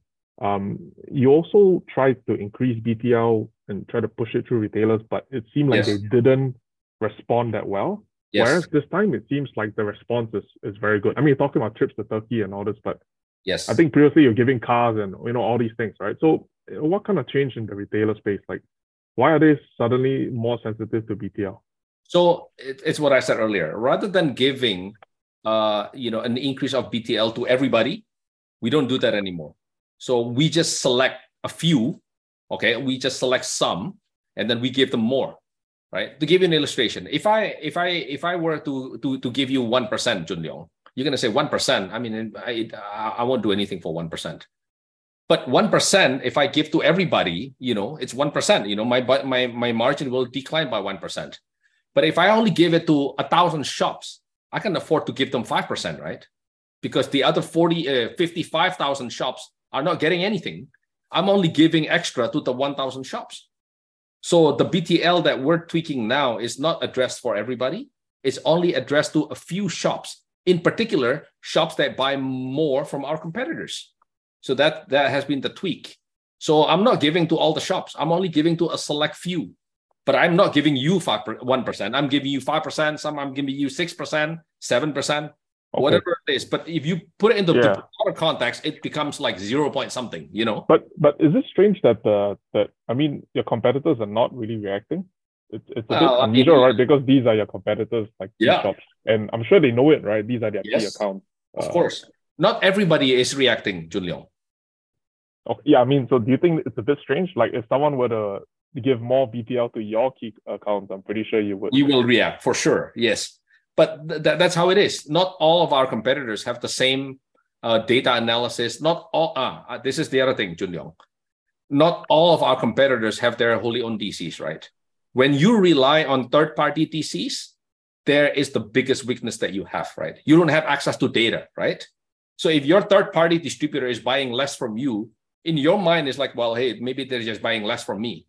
you also tried to increase BTL and try to push it through retailers, but it seemed like- Yes... they didn't respond that well. Yes. Whereas this time it seems like the response is very good. I mean, you're talking about trips to Turkey and all this, but- Yes... I think previously you were giving cars and, you know, all these things, right? So what kind of change in the retailer space, like why are they suddenly more sensitive to BTL? It's what I said earlier. Rather than giving, you know, an increase of BTL to everybody, we don't do that anymore. So we just select a few, okay? We just select some, and then we give them more, right? To give you an illustration, if I were to give you 1%, Yuan Loh, you're gonna say, "1%? I mean, I won't do anything for 1%." But 1%, if I give to everybody, you know, it's 1%. You know, my margin will decline by 1%. But if I only give it to 1,000 shops, I can afford to give them 5%, right? Because the other 40, 55,000 shops are not getting anything. I'm only giving extra to the 1,000 shops. So the BTL that we're tweaking now is not addressed for everybody. It's only addressed to a few shops, in particular, shops that buy more from our competitors. So that has been the tweak. So I'm not giving to all the shops. I'm only giving to a select few. But I'm not giving you 5 per- 1%. I'm giving you 5%, some I'm giving you 6%, 7%. Okay. Whatever it is. But if you put it into- Yeah... broader context, it becomes, like, zero point something, you know? Is it strange that, I mean, your competitors are not really reacting? It's, it's- I mean-... unusual, right, because these are your competitors, like- Yeah... these shops, and I'm sure they know it, right? These are their- Yes... key accounts. Of course. Not everybody is reacting, Yuan Loh.... Oh, yeah, I mean, so do you think it's a bit strange? Like, if someone were to give more BT to your key account, I'm pretty sure you would- You will react, for sure. Yes. But that's how it is. Not all of our competitors have the same data analysis. Not all... This is the other thing, Yuan Loh. Not all of our competitors have their own DCs, right? When you rely on third-party DCs, there is the biggest weakness that you have, right? You don't have access to data, right? So if your third-party distributor is buying less from you, in your mind, it's like, "Well, hey, maybe they're just buying less from me."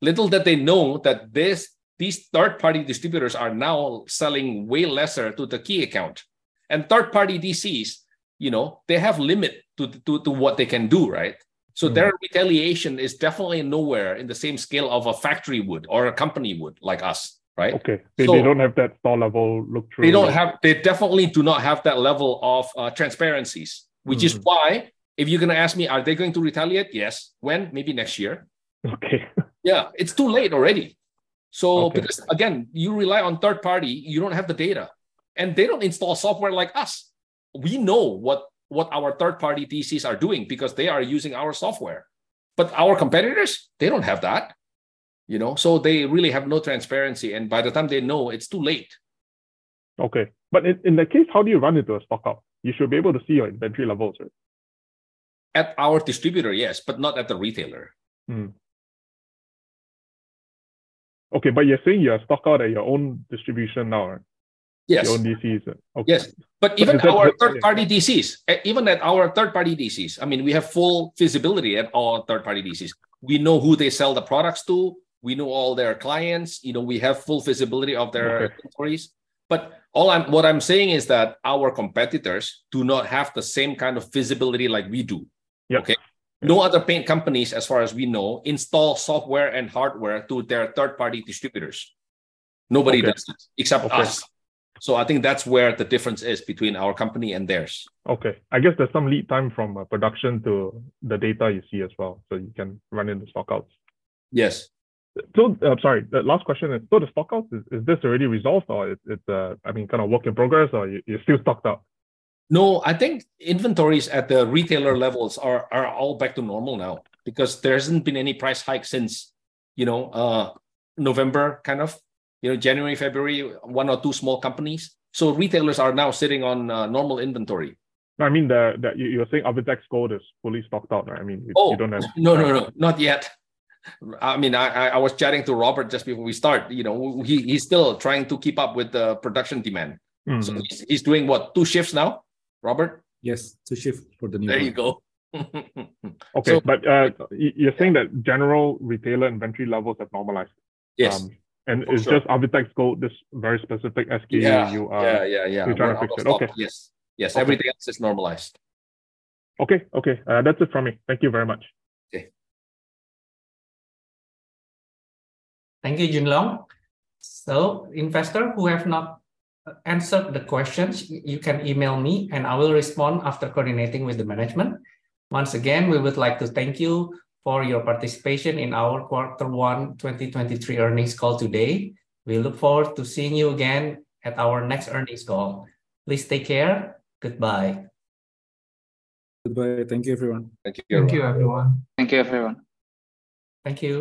Little did they know that this, these third-party distributors are now selling way lesser to the key account. And third-party DCs, you know, they have limit to what they can do, right? Mm. So their retaliation is definitely nowhere in the same scale of a factory would or a company would, like us, right? Okay. So- They don't have that top-level look through. They don't have... They definitely do not have that level of transparency. Mm. Which is why if you're gonna ask me, are they going to retaliate? Yes. When? Maybe next year. Okay. Yeah, it's too late already. Okay. So because, again, you rely on third-party, you don't have the data, and they don't install software like us. We know what our third-party DCs are doing because they are using our software. But our competitors, they don't have that, you know, so they really have no transparency, and by the time they know, it's too late. Okay. But in that case, how do you run into a stockout? You should be able to see your inventory levels, right? At our distributor, yes, but not at the retailer. Okay, but you're saying you are stockout at your own distribution now, right? Yes. Your own DCs, okay. Yes, but even- Okay... our third-party DCs, even at our third-party DCs, I mean, we have full visibility at all third-party DCs. We know who they sell the products to. We know all their clients. You know, we have full visibility of their- Okay inventories. But what I'm saying is that our competitors do not have the same kind of visibility like we do. Yeah. Okay? No other paint companies, as far as we know, install software and hardware to their third-party distributors. Okay. Nobody does this, except for us. I think that's where the difference is between our company and theirs. Okay. I guess there's some lead time from production to the data you see as well, so you can run into stockouts. Yes. Sorry, the last question is, so the stockout, is this already resolved, or is it, I mean, kind of work in progress, or you're still stocked up? No, I think inventories at the retailer levels are all back to normal now because there hasn't been any price hike since, you know, November, kind of, you know, January, February, one or two small companies. So retailers are now sitting on normal inventory. I mean, that you're saying Avitex Gold is fully stocked up now. I mean, you don't have- Oh, no, no, no, not yet. I mean, I was chatting to Robert just before we start, you know, he, he's still trying to keep up with the production demand. Mm. So he's doing what? Two shifts now, Robert? Yes, two shifts for the new one. There you go. Okay. But, you're saying that general retailer inventory levels have normalized? Yes. Um, and- For sure... it's just Avitex Gold, this very specific SKU you are- Yeah, yeah, yeah... trying to fix it. Okay. Yes. Okay. Yes, everything else is normalized. Okay, okay. That's it from me. Thank you very much. Okay. Thank you, Yuan Loh. So investor who have not answered the questions, you can email me, and I will respond after coordinating with the management. Once again, we would like to thank you for your participation in our Q1 2023 earnings call today. We look forward to seeing you again at our next earnings call. Please take care. Goodbye. Goodbye. Thank you, everyone. Thank you. Thank you, everyone. Thank you, everyone. Thank you.